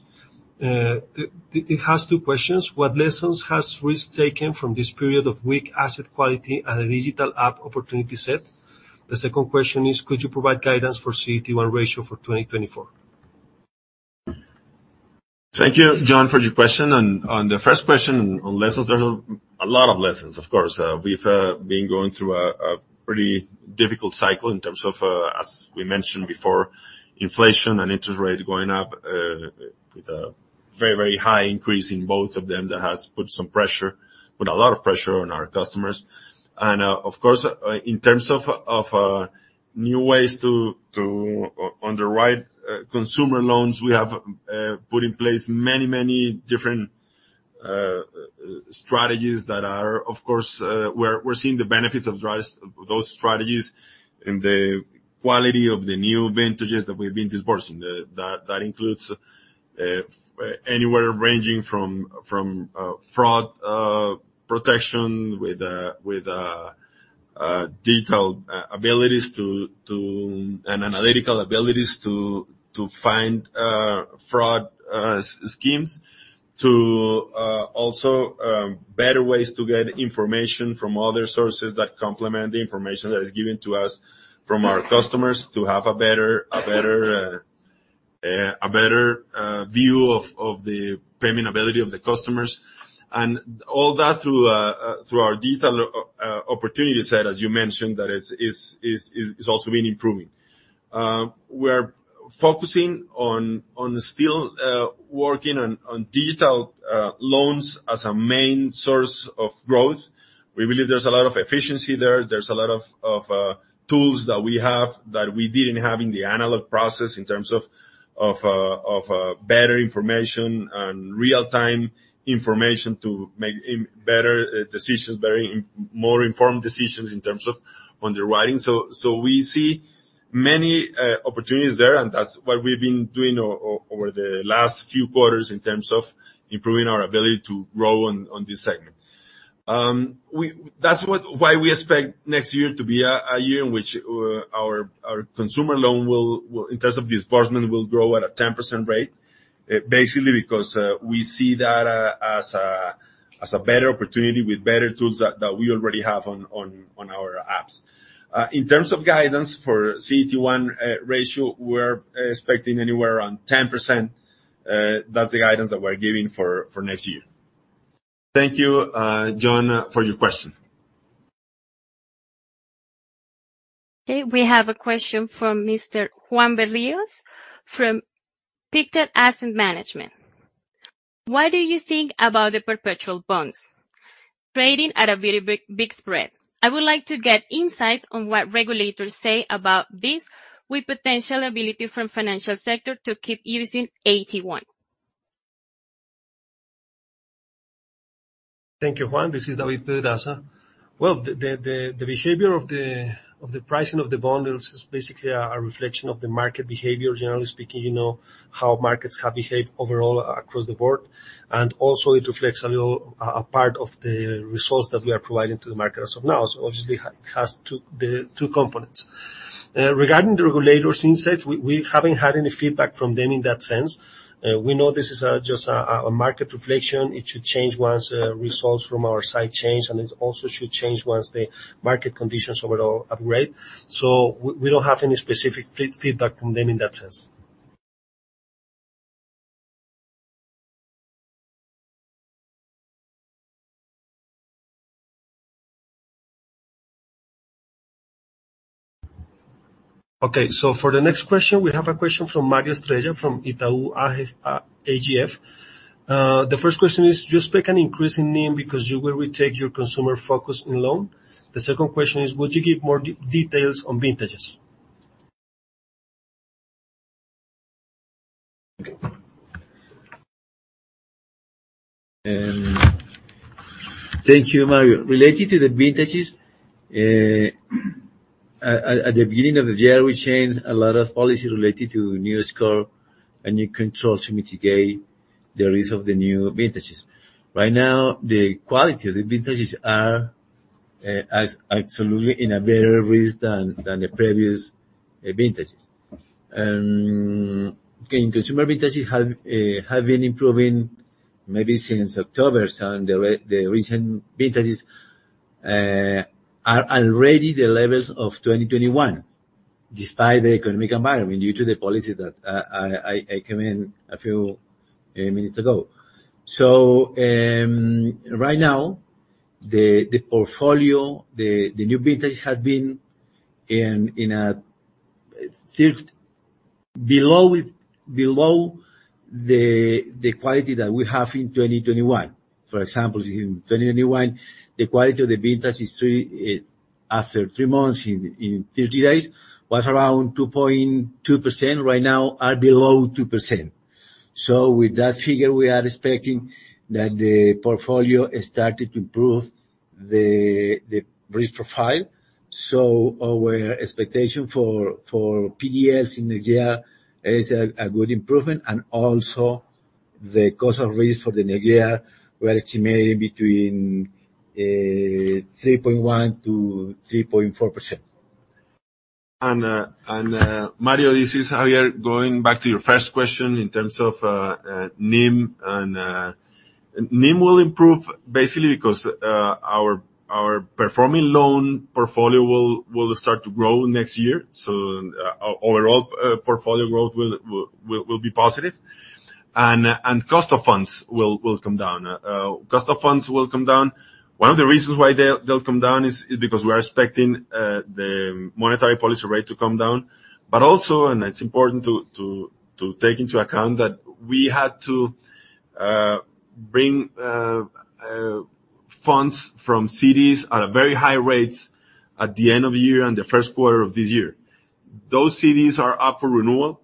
It has two questions: What lessons has risk taken from this period of weak asset quality and the digital app opportunity set? The second question is, could you provide guidance for CET1 ratio for 2024? Thank you, John, for your question. And on the first question, on lessons, there's a lot of lessons, of course. We've been going through a pretty difficult cycle in terms of, as we mentioned before, inflation and interest rates going up, with a very, very high increase in both of them. That has put some pressure, put a lot of pressure on our customers. And, of course, in terms of new ways to underwrite consumer loans, we have put in place many, many different strategies that are, of course. We're seeing the benefits of those strategies in the quality of the new vintages that we've been dispersing. That includes anywhere ranging from fraud protection with digital abilities to and analytical abilities to find schemes. To also better ways to get information from other sources that complement the information that is given to us from our customers, to have a better view of the payment ability of the customers. And all that through our digital opportunity set, as you mentioned, that is also been improving. We're focusing on still working on digital loans as a main source of growth. We believe there's a lot of efficiency there. There's a lot of tools that we have that we didn't have in the analog process in terms of better information and real-time information to make better decisions, very more informed decisions in terms of underwriting. So we see many opportunities there, and that's what we've been doing over the last few quarters in terms of improving our ability to grow on this segment. That's what why we expect next year to be a year in which our consumer loan will, in terms of disbursement, grow at a 10% rate. Basically because we see that as a better opportunity with better tools that we already have on our apps. In terms of guidance for CET1 ratio, we're expecting anywhere around 10%. That's the guidance that we're giving for next year. Thank you, John, for your question. Okay, we have a question from Mr. Juan Berrios from Pictet Asset Management. What do you think about the perpetual bonds trading at a very big, big spread? I would like to get insights on what regulators say about this, with potential ability from financial sector to keep using AT1. Thank you, Juan. This is David Pedraza. Well, the behavior of the pricing of the bonds is basically a reflection of the market behavior. Generally speaking, you know, how markets have behaved overall across the board, and also it reflects a little, a part of the resource that we are providing to the market as of now. So obviously, it has two components. Regarding the regulators' insights, we haven't had any feedback from them in that sense. We know this is just a market reflection. It should change once results from our side change, and it also should change once the market conditions overall upgrade. So we don't have any specific feedback from them in that sense. Okay, so for the next question, we have a question from Mario Estrella from Itaú AGF. The first question is: Do you expect an increase in NIM because you will retake your consumer focus in loan? The second question is: Would you give more details on vintages? Thank you, Mario. Related to the vintages, at the beginning of the year, we changed a lot of policies related to new score and new controls to mitigate the risk of the new vintages. Right now, the quality of the vintages are as absolutely in a better risk than the previous vintages. In consumer vintages have been improving maybe since October. So the recent vintages are already the levels of 2021. Despite the economic environment, due to the policy that I came in a few minutes ago. So right now, the portfolio, the new vintage has been in a fifth below the quality that we have in 2021. For example, in 2021, the quality of the vintage is three after three months, in 30 days, was around 2.2%. Right now, are below 2%. So with that figure, we are expecting that the portfolio has started to improve the risk profile. So our expectation for NPLs in the year is a good improvement, and also the cost of risk for the new year were estimated between 3.1%-3.4%. Mario, this is Javier. Going back to your first question in terms of NIM and NIM will improve basically because our performing loan portfolio will start to grow next year. So, our overall portfolio growth will be positive, and cost of funds will come down. Cost of funds will come down. One of the reasons why they'll come down is because we are expecting the monetary policy rate to come down, but also, and it's important to take into account that we had to bring funds from CDs at a very high rates at the end of the year and the first quarter of this year. Those CDs are up for renewal,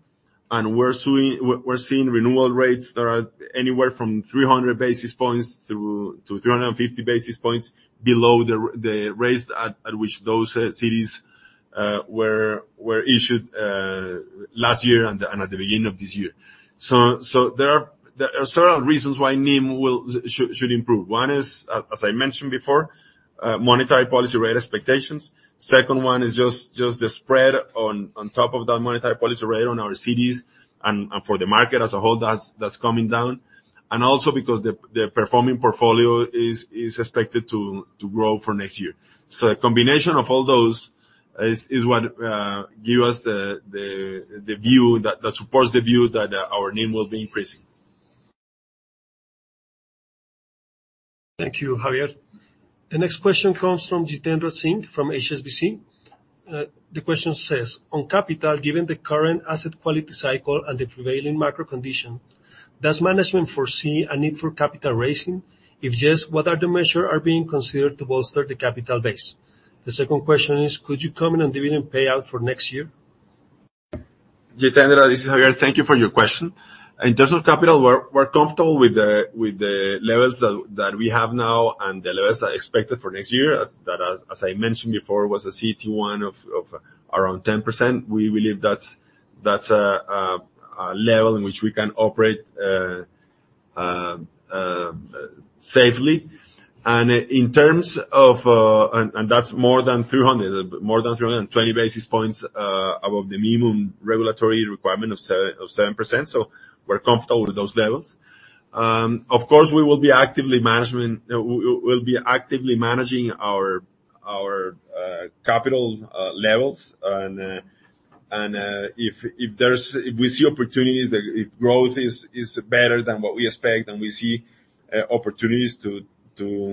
and we're seeing renewal rates that are anywhere from 300 basis points through to 350 basis points below the rates at which those CDs were issued last year and at the beginning of this year. So there are several reasons why NIM will should improve. One is, as I mentioned before, monetary policy rate expectations. Second one is just the spread on top of that monetary policy rate on our CDs and for the market as a whole, that's coming down, and also because the performing portfolio is expected to grow for next year. So a combination of all those is what give us the view that supports the view that our NIM will be increasing. Thank you, Javier. The next question comes from Jitendra Singh from HSBC. The question says: On capital, given the current asset quality cycle and the prevailing macro condition, does management foresee a need for capital raising? If yes, what measures are being considered to bolster the capital base? The second question is: Could you comment on dividend payout for next year? Jitendra, this is Javier. Thank you for your question. In terms of capital, we're comfortable with the levels that we have now and the levels are expected for next year. As I mentioned before, was a CET1 of around 10%. We believe that's a level in which we can operate safely. And in terms of a, and that's more than 300 and 20 basis points above the minimum regulatory requirement of 7%, so we're comfortable with those levels. Of course, we will be actively managing our capital levels. If we see opportunities that if growth is better than what we expect, and we see opportunities to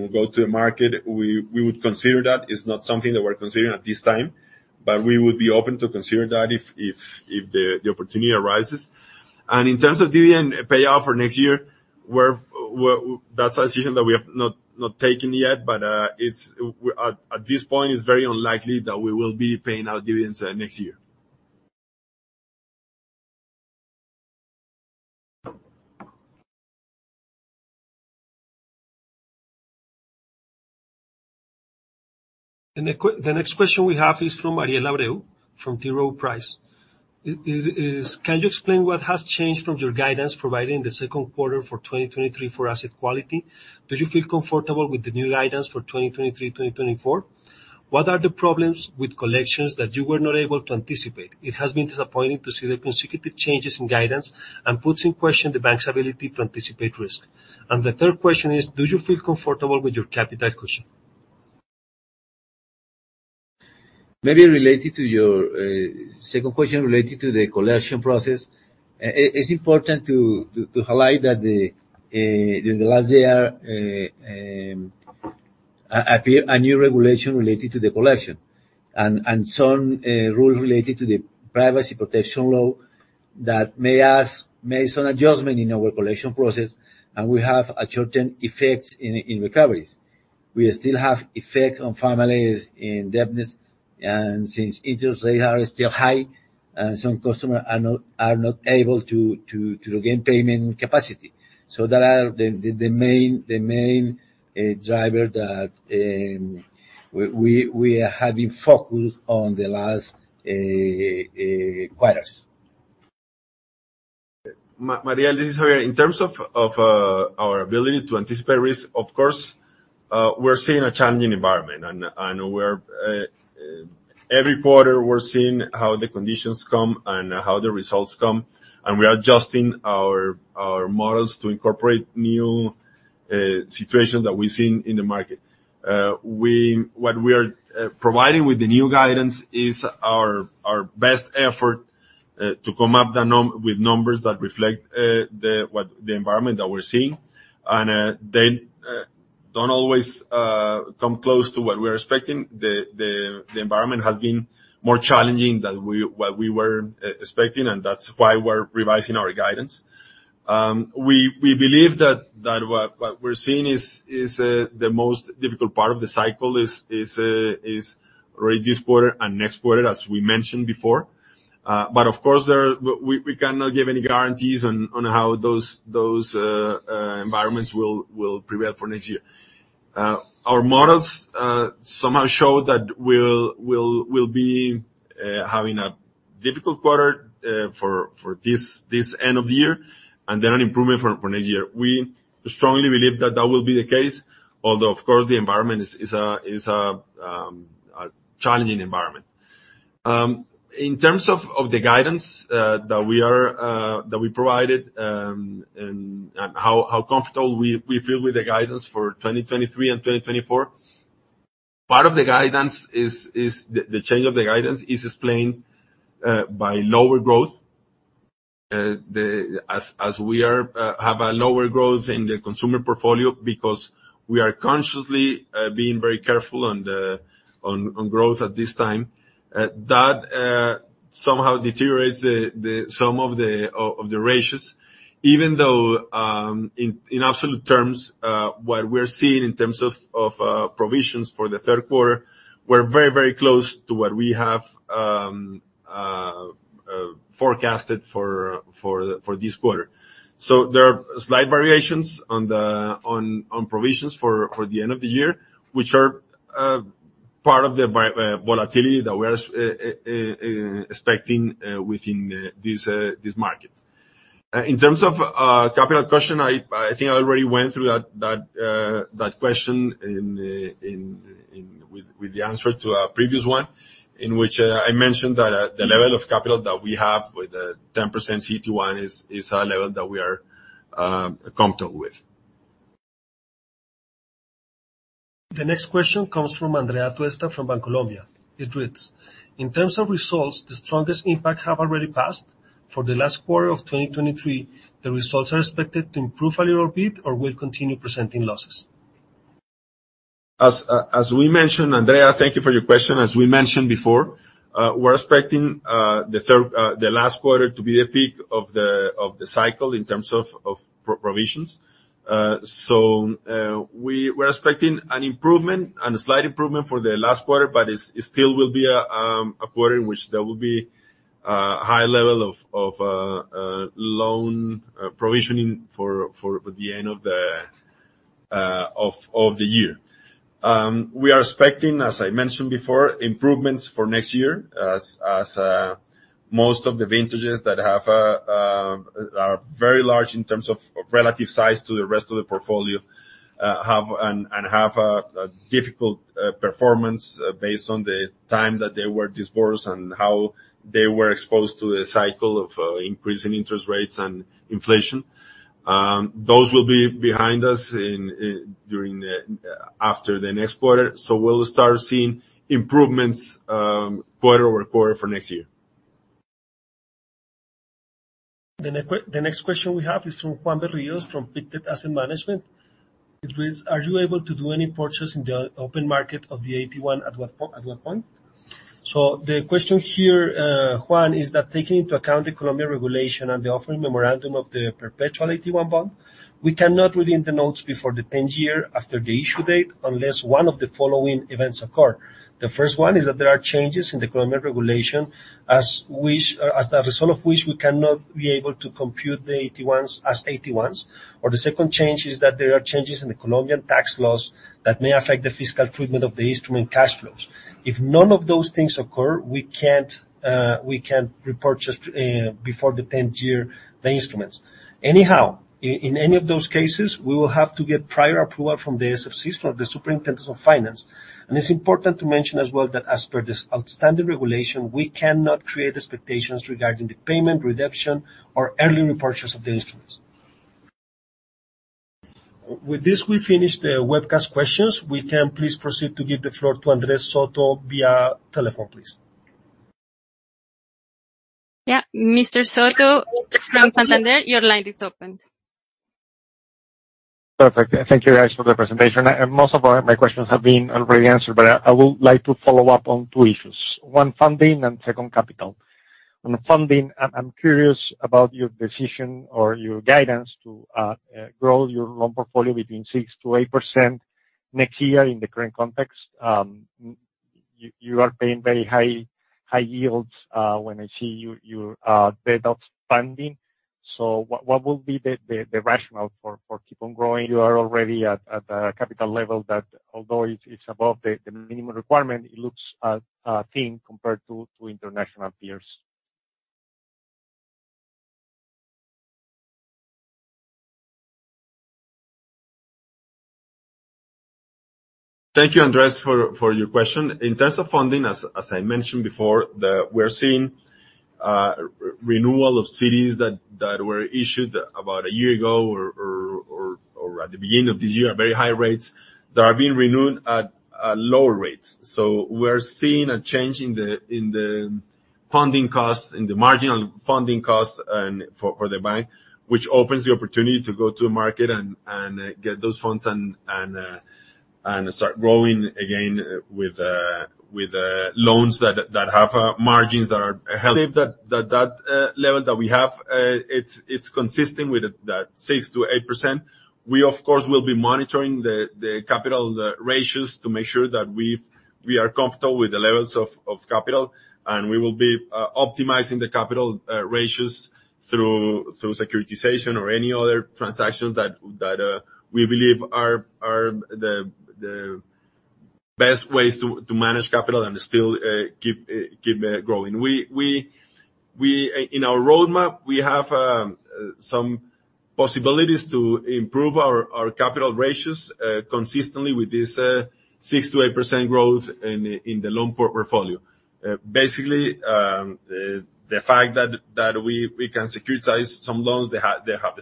go to the market, we would consider that. It's not something that we're considering at this time, but we would be open to consider that if the opportunity arises. In terms of dividend payout for next year, that's a decision that we have not taken yet, but at this point, it's very unlikely that we will be paying out dividends next year. The next question we have is from Mariela Abreu from T. Rowe Price. It is: Can you explain what has changed from your guidance provided in the second quarter for 2023 for asset quality? Do you feel comfortable with the new guidance for 2023, 2024? What are the problems with collections that you were not able to anticipate? It has been disappointing to see the consecutive changes in guidance and puts in question the bank's ability to anticipate risk. And the third question is: Do you feel comfortable with your capital cushion? Maybe related to your second question related to the collection process. It's important to highlight that during the last year appear a new regulation related to the collection and some rules related to the privacy protection law that may make some adjustment in our collection process, and we have a certain effects in recoveries. We still have effect on families in indebtedness, and since interest rates are still high, and some customers are not able to regain payment capacity. So that are the main driver that we have been focused on the last quarters. Mariela, this is Javier. In terms of our ability to anticipate risk, of course, we're seeing a challenging environment, and we're Every quarter, we're seeing how the conditions come and how the results come, and we are adjusting our models to incorporate new situation that we've seen in the market. What we are providing with the new guidance is our best effort to come up with numbers that reflect what the environment that we're seeing. And they don't always come close to what we're expecting. The environment has been more challenging than what we were expecting, and that's why we're revising our guidance. We believe that what we're seeing is the most difficult part of the cycle is already this quarter and next quarter, as we mentioned before. But of course, we cannot give any guarantees on how those environments will prevail for next year. Our models somehow show that we'll be having a difficult quarter for this end of the year, and then an improvement for next year. We strongly believe that that will be the case, although of course, the environment is a challenging environment. In terms of the guidance that we provided, and how comfortable we feel with the guidance for 2023 and 2024, part of the guidance is the change of the guidance is explained by lower growth. As we have a lower growth in the consumer portfolio because we are consciously being very careful on the growth at this time. That somehow deteriorates some of the ratios, even though in absolute terms what we're seeing in terms of provisions for the third quarter, we're very close to what we have forecasted for this quarter. So there are slight variations on the provisions for the end of the year, which are part of the volatility that we are expecting within this market. In terms of capital question, I think I already went through that question in with the answer to a previous one, in which I mentioned that the level of capital that we have with the 10% CET1 is a level that we are comfortable with. The next question comes from Andrea Tuesta, from Bancolombia. It reads: In terms of results, the strongest impact have already passed. For the last quarter of 2023, the results are expected to improve a little bit or will continue presenting losses? As we mentioned, Andrea, thank you for your question. As we mentioned before, we're expecting the third, the last quarter to be the peak of the cycle in terms of provisions. We're expecting an improvement and a slight improvement for the last quarter, but it still will be a quarter in which there will be high level of loan provisioning for the end of the year. We are expecting, as I mentioned before, improvements for next year, as most of the vintages that are very large in terms of relative size to the rest of the portfolio have a difficult performance based on the time that they were disbursed and how they were exposed to the cycle of increasing interest rates and inflation. Those will be behind us after the next quarter, so we'll start seeing improvements quarter-over-quarter for next year. The next question we have is from Juan Berrios, from Pictet Asset Management. It reads: Are you able to do any purchase in the open market of the AT1 at what point? So the question here, Juan, is that taking into account the Colombian regulation and the offering memorandum of the perpetual AT1 bond, we cannot redeem the notes before the tenth year after the issue date, unless one of the following events occur. The first one is that there are changes in the Colombian regulation, as which, as a result of which, we cannot be able to compute the AT1s as AT1s. Or the second change is that there are changes in the Colombian tax laws that may affect the fiscal treatment of the instrument cash flows. If none of those things occur, we can't, we can't repurchase before the tenth year, the instruments. Anyhow, in any of those cases, we will have to get prior approval from the SFC, from the Superintendency of Finance. And it's important to mention as well, that as per this outstanding regulation, we cannot create expectations regarding the payment, redemption, or early repurchases of the instruments. With this, we finish the webcast questions. We can please proceed to give the floor to Andrés Soto via telephone, please. Yeah. Mr. Soto from Santander, your line is opened. Perfect. Thank you, guys, for the presentation. Most of all my questions have been already answered, but I would like to follow up on two issues: one, funding, and second, capital. On funding, I'm curious about your decision or your guidance to grow your loan portfolio between 6%-8% next year in the current context. You are paying very high yields when I see your deposits funding. So what will be the rationale for keep on growing? You are already at a capital level that although it's above the minimum requirement, it looks thin compared to international peers. Thank you, Andres, for your question. In terms of funding, as I mentioned before, we're seeing renewal of CDs that were issued about a year ago or at the beginning of this year at very high rates, that are being renewed at lower rates. So we're seeing a change in the funding costs, in the marginal funding costs and for the bank, which opens the opportunity to go to market and get those funds and start growing again with loans that have margins that are healthy. Believe that level that we have, it's consistent with the 6%-8%. We, of course, will be monitoring the capital ratios to make sure that we are comfortable with the levels of capital, and we will be optimizing the capital ratios through securitization or any other transactions that we believe are the best ways to manage capital and still keep growing. We, in our roadmap, we have some possibilities to improve our capital ratios consistently with this 6%-8% growth in the loan portfolio. Basically, the fact that we can securitize some loans, the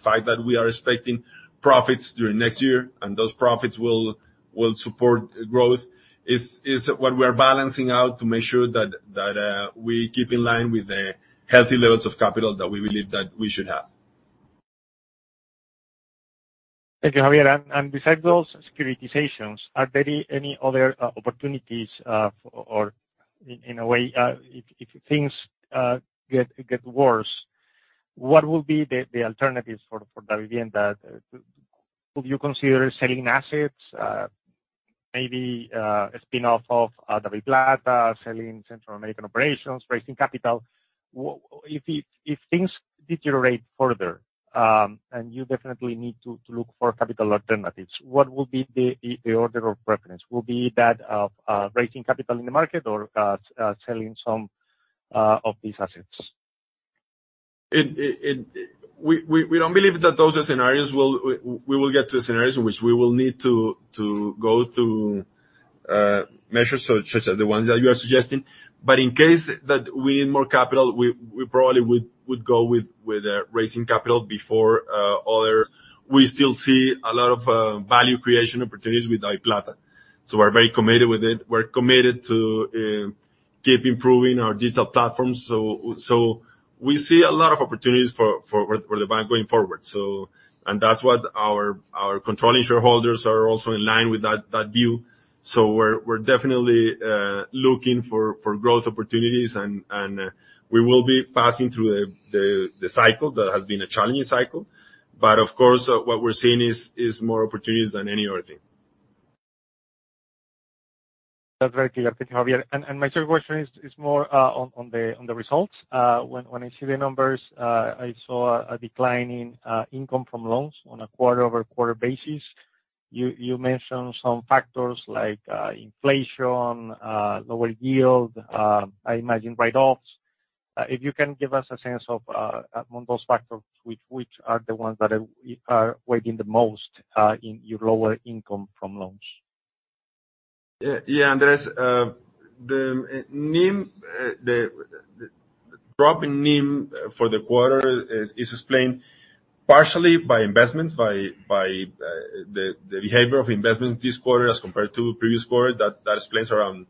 fact that we are expecting profits during next year, and those profits will support growth, is what we are balancing out to make sure that we keep in line with the healthy levels of capital that we believe that we should have. Thank you, Javier. And besides those securitizations, are there any other opportunities fo, or in a way, if things get worse, what will be the alternatives for Davivienda? Would you consider selling assets, maybe, a spin-off of DaviPlata, selling Central American operations, raising capital? If things deteriorate further, and you definitely need to look for capital alternatives, what will be the order of preference? Will be that of raising capital in the market or selling some of these assets? We don't believe that those are scenarios will. We will get to a scenario in which we will need to go through measures such as the ones that you are suggesting. But in case that we need more capital, we probably would go with raising capital before other. We still see a lot of value creation opportunities with DaviPlata, so we're very committed with it. We're committed to keep improving our digital platforms. So we see a lot of opportunities for the bank going forward. And that's what our controlling shareholders are also in line with that view. So we're definitely looking for growth opportunities and we will be passing through the cycle. That has been a challenging cycle, but of course, what we're seeing is more opportunities than any other thing. That's very clear, thank you, Javier. And my third question is more on the results. When I see the numbers, I saw a decline in income from loans on a quarter-over-quarter basis. You mentioned some factors like inflation, lower yield, I imagine write-offs. If you can give us a sense of, among those factors, which are the ones that are weighing the most, in your lower income from loans? Yeah, yeah, Andres, the NIM, the drop in NIM for the quarter is explained partially by investment, by the behavior of investments this quarter as compared to previous quarter. That explains around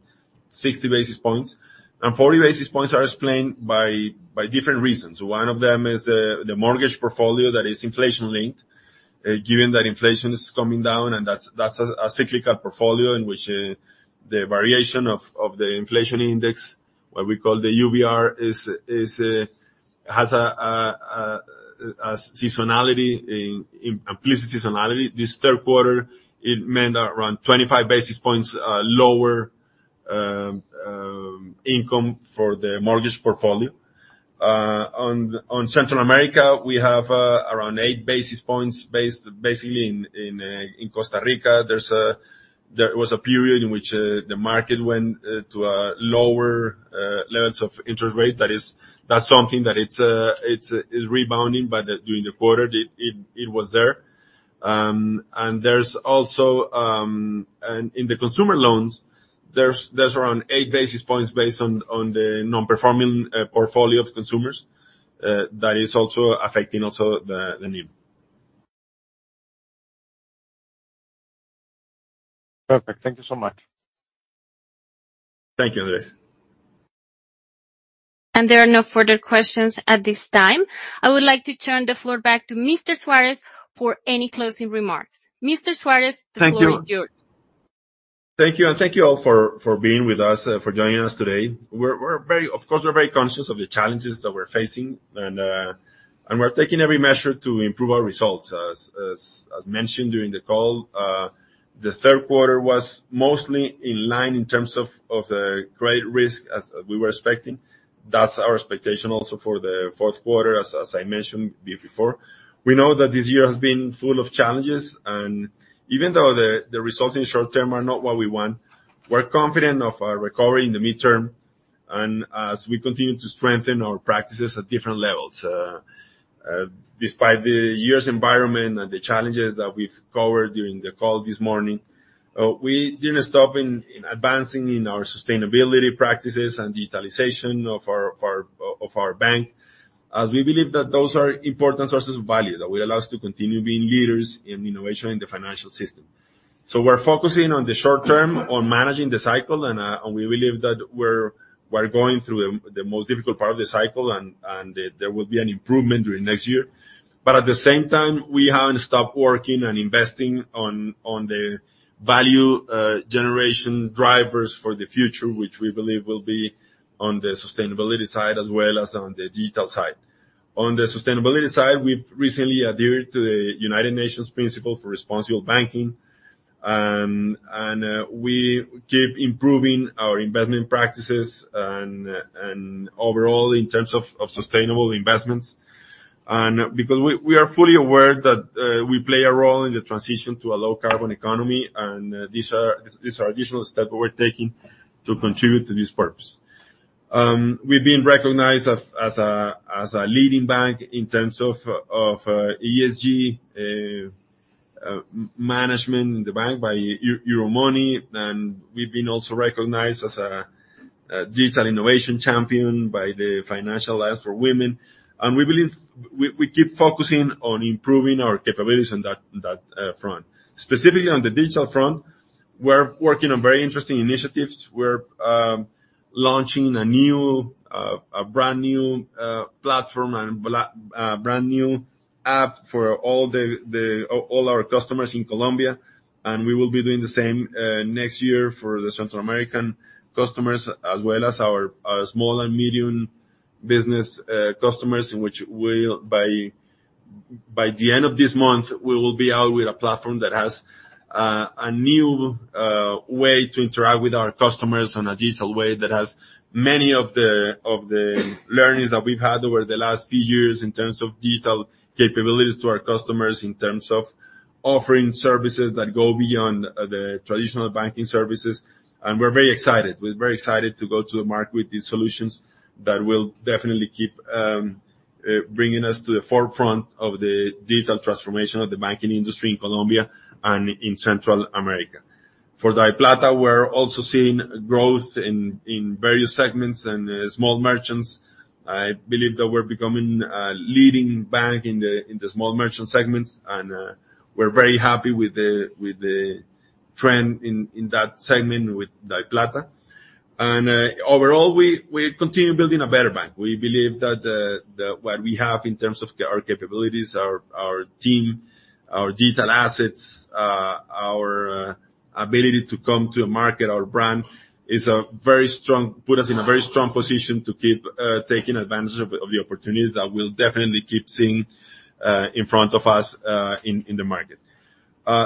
60 basis points. And 40 basis points are explained by different reasons. One of them is the mortgage portfolio that is inflation-linked. Given that inflation is coming down, and that's a cyclical portfolio in which the variation of the inflation index, what we call the UBR, has a seasonality in implicit seasonality. This third quarter, it meant around 25 basis points lower income for the mortgage portfolio. On Central America, we have around 8 basis points basically in Costa Rica. There's a... There was a period in which the market went to lower levels of interest rate. That is, that's something that it is rebounding, but during the quarter, it was there. And there's also in the consumer loans around 8 basis points based on the non-performing portfolio of consumers that is also affecting the NIM. Perfect. Thank you so much. Thank you, Andres. There are no further questions at this time. I would like to turn the floor back to Mr. Suárez for any closing remarks. Mr. Suárez, the floor is yours. Thank you. Thank you, and thank you all for being with us for joining us today. We're very... Of course, we're very conscious of the challenges that we're facing, and we're taking every measure to improve our results. As mentioned during the call, the third quarter was mostly in line in terms of the credit risk as we were expecting. That's our expectation also for the fourth quarter, as I mentioned before. We know that this year has been full of challenges, and even though the results in the short term are not what we want, we're confident of our recovery in the midterm. And as we continue to strengthen our practices at different levels, despite the year's environment and the challenges that we've covered during the call this morning, we didn't stop in advancing in our sustainability practices and digitalization of our bank, as we believe that those are important sources of value that will allow us to continue being leaders in innovation in the financial system. So we're focusing on the short term, on managing the cycle, and we believe that we're going through the most difficult part of the cycle, and there will be an improvement during next year. But at the same time, we haven't stopped working and investing on the value generation drivers for the future, which we believe will be on the sustainability side as well as on the digital side. On the sustainability side, we've recently adhered to the United Nations Principles for Responsible Banking, and we keep improving our investment practices and overall, in terms of sustainable investments. Because we are fully aware that we play a role in the transition to a low-carbon economy, and these are additional steps that we're taking to contribute to this purpose. We've been recognized as a leading bank in terms of ESG management in the bank by Euromoney, and we've been also recognized as a digital innovation champion by the Financial Alliance for Women. We believe we keep focusing on improving our capabilities on that front. Specifically, on the digital front, we're working on very interesting initiatives. We're launching a new brand-new platform and brand-new app for all our customers in Colombia, and we will be doing the same next year for the Central American customers, as well as our small and medium business customers, by the end of this month, we will be out with a platform that has a new way to interact with our customers on a digital way that has many of the learnings that we've had over the last few years in terms of digital capabilities to our customers, in terms of offering services that go beyond the traditional banking services. And we're very excited. We're very excited to go to the market with these solutions that will definitely keep bringing us to the forefront of the digital transformation of the banking industry in Colombia and in Central America. For DaviPlata, we're also seeing growth in various segments and small merchants. I believe that we're becoming a leading bank in the small merchant segments, and we're very happy with the trend in that segment with DaviPlata. And overall, we continue building a better bank. We believe that what we have in terms of our capabilities, our team, our digital assets, our ability to come to the market, our brand is a very strong put us in a very strong position to keep taking advantage of the opportunities that we'll definitely keep seeing in front of us in the market.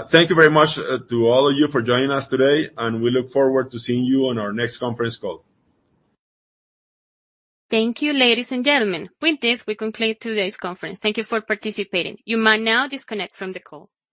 Thank you very much to all of you for joining us today, and we look forward to seeing you on our next conference call. Thank you, ladies and gentlemen. With this, we conclude today's conference. Thank you for participating. You may now disconnect from the call.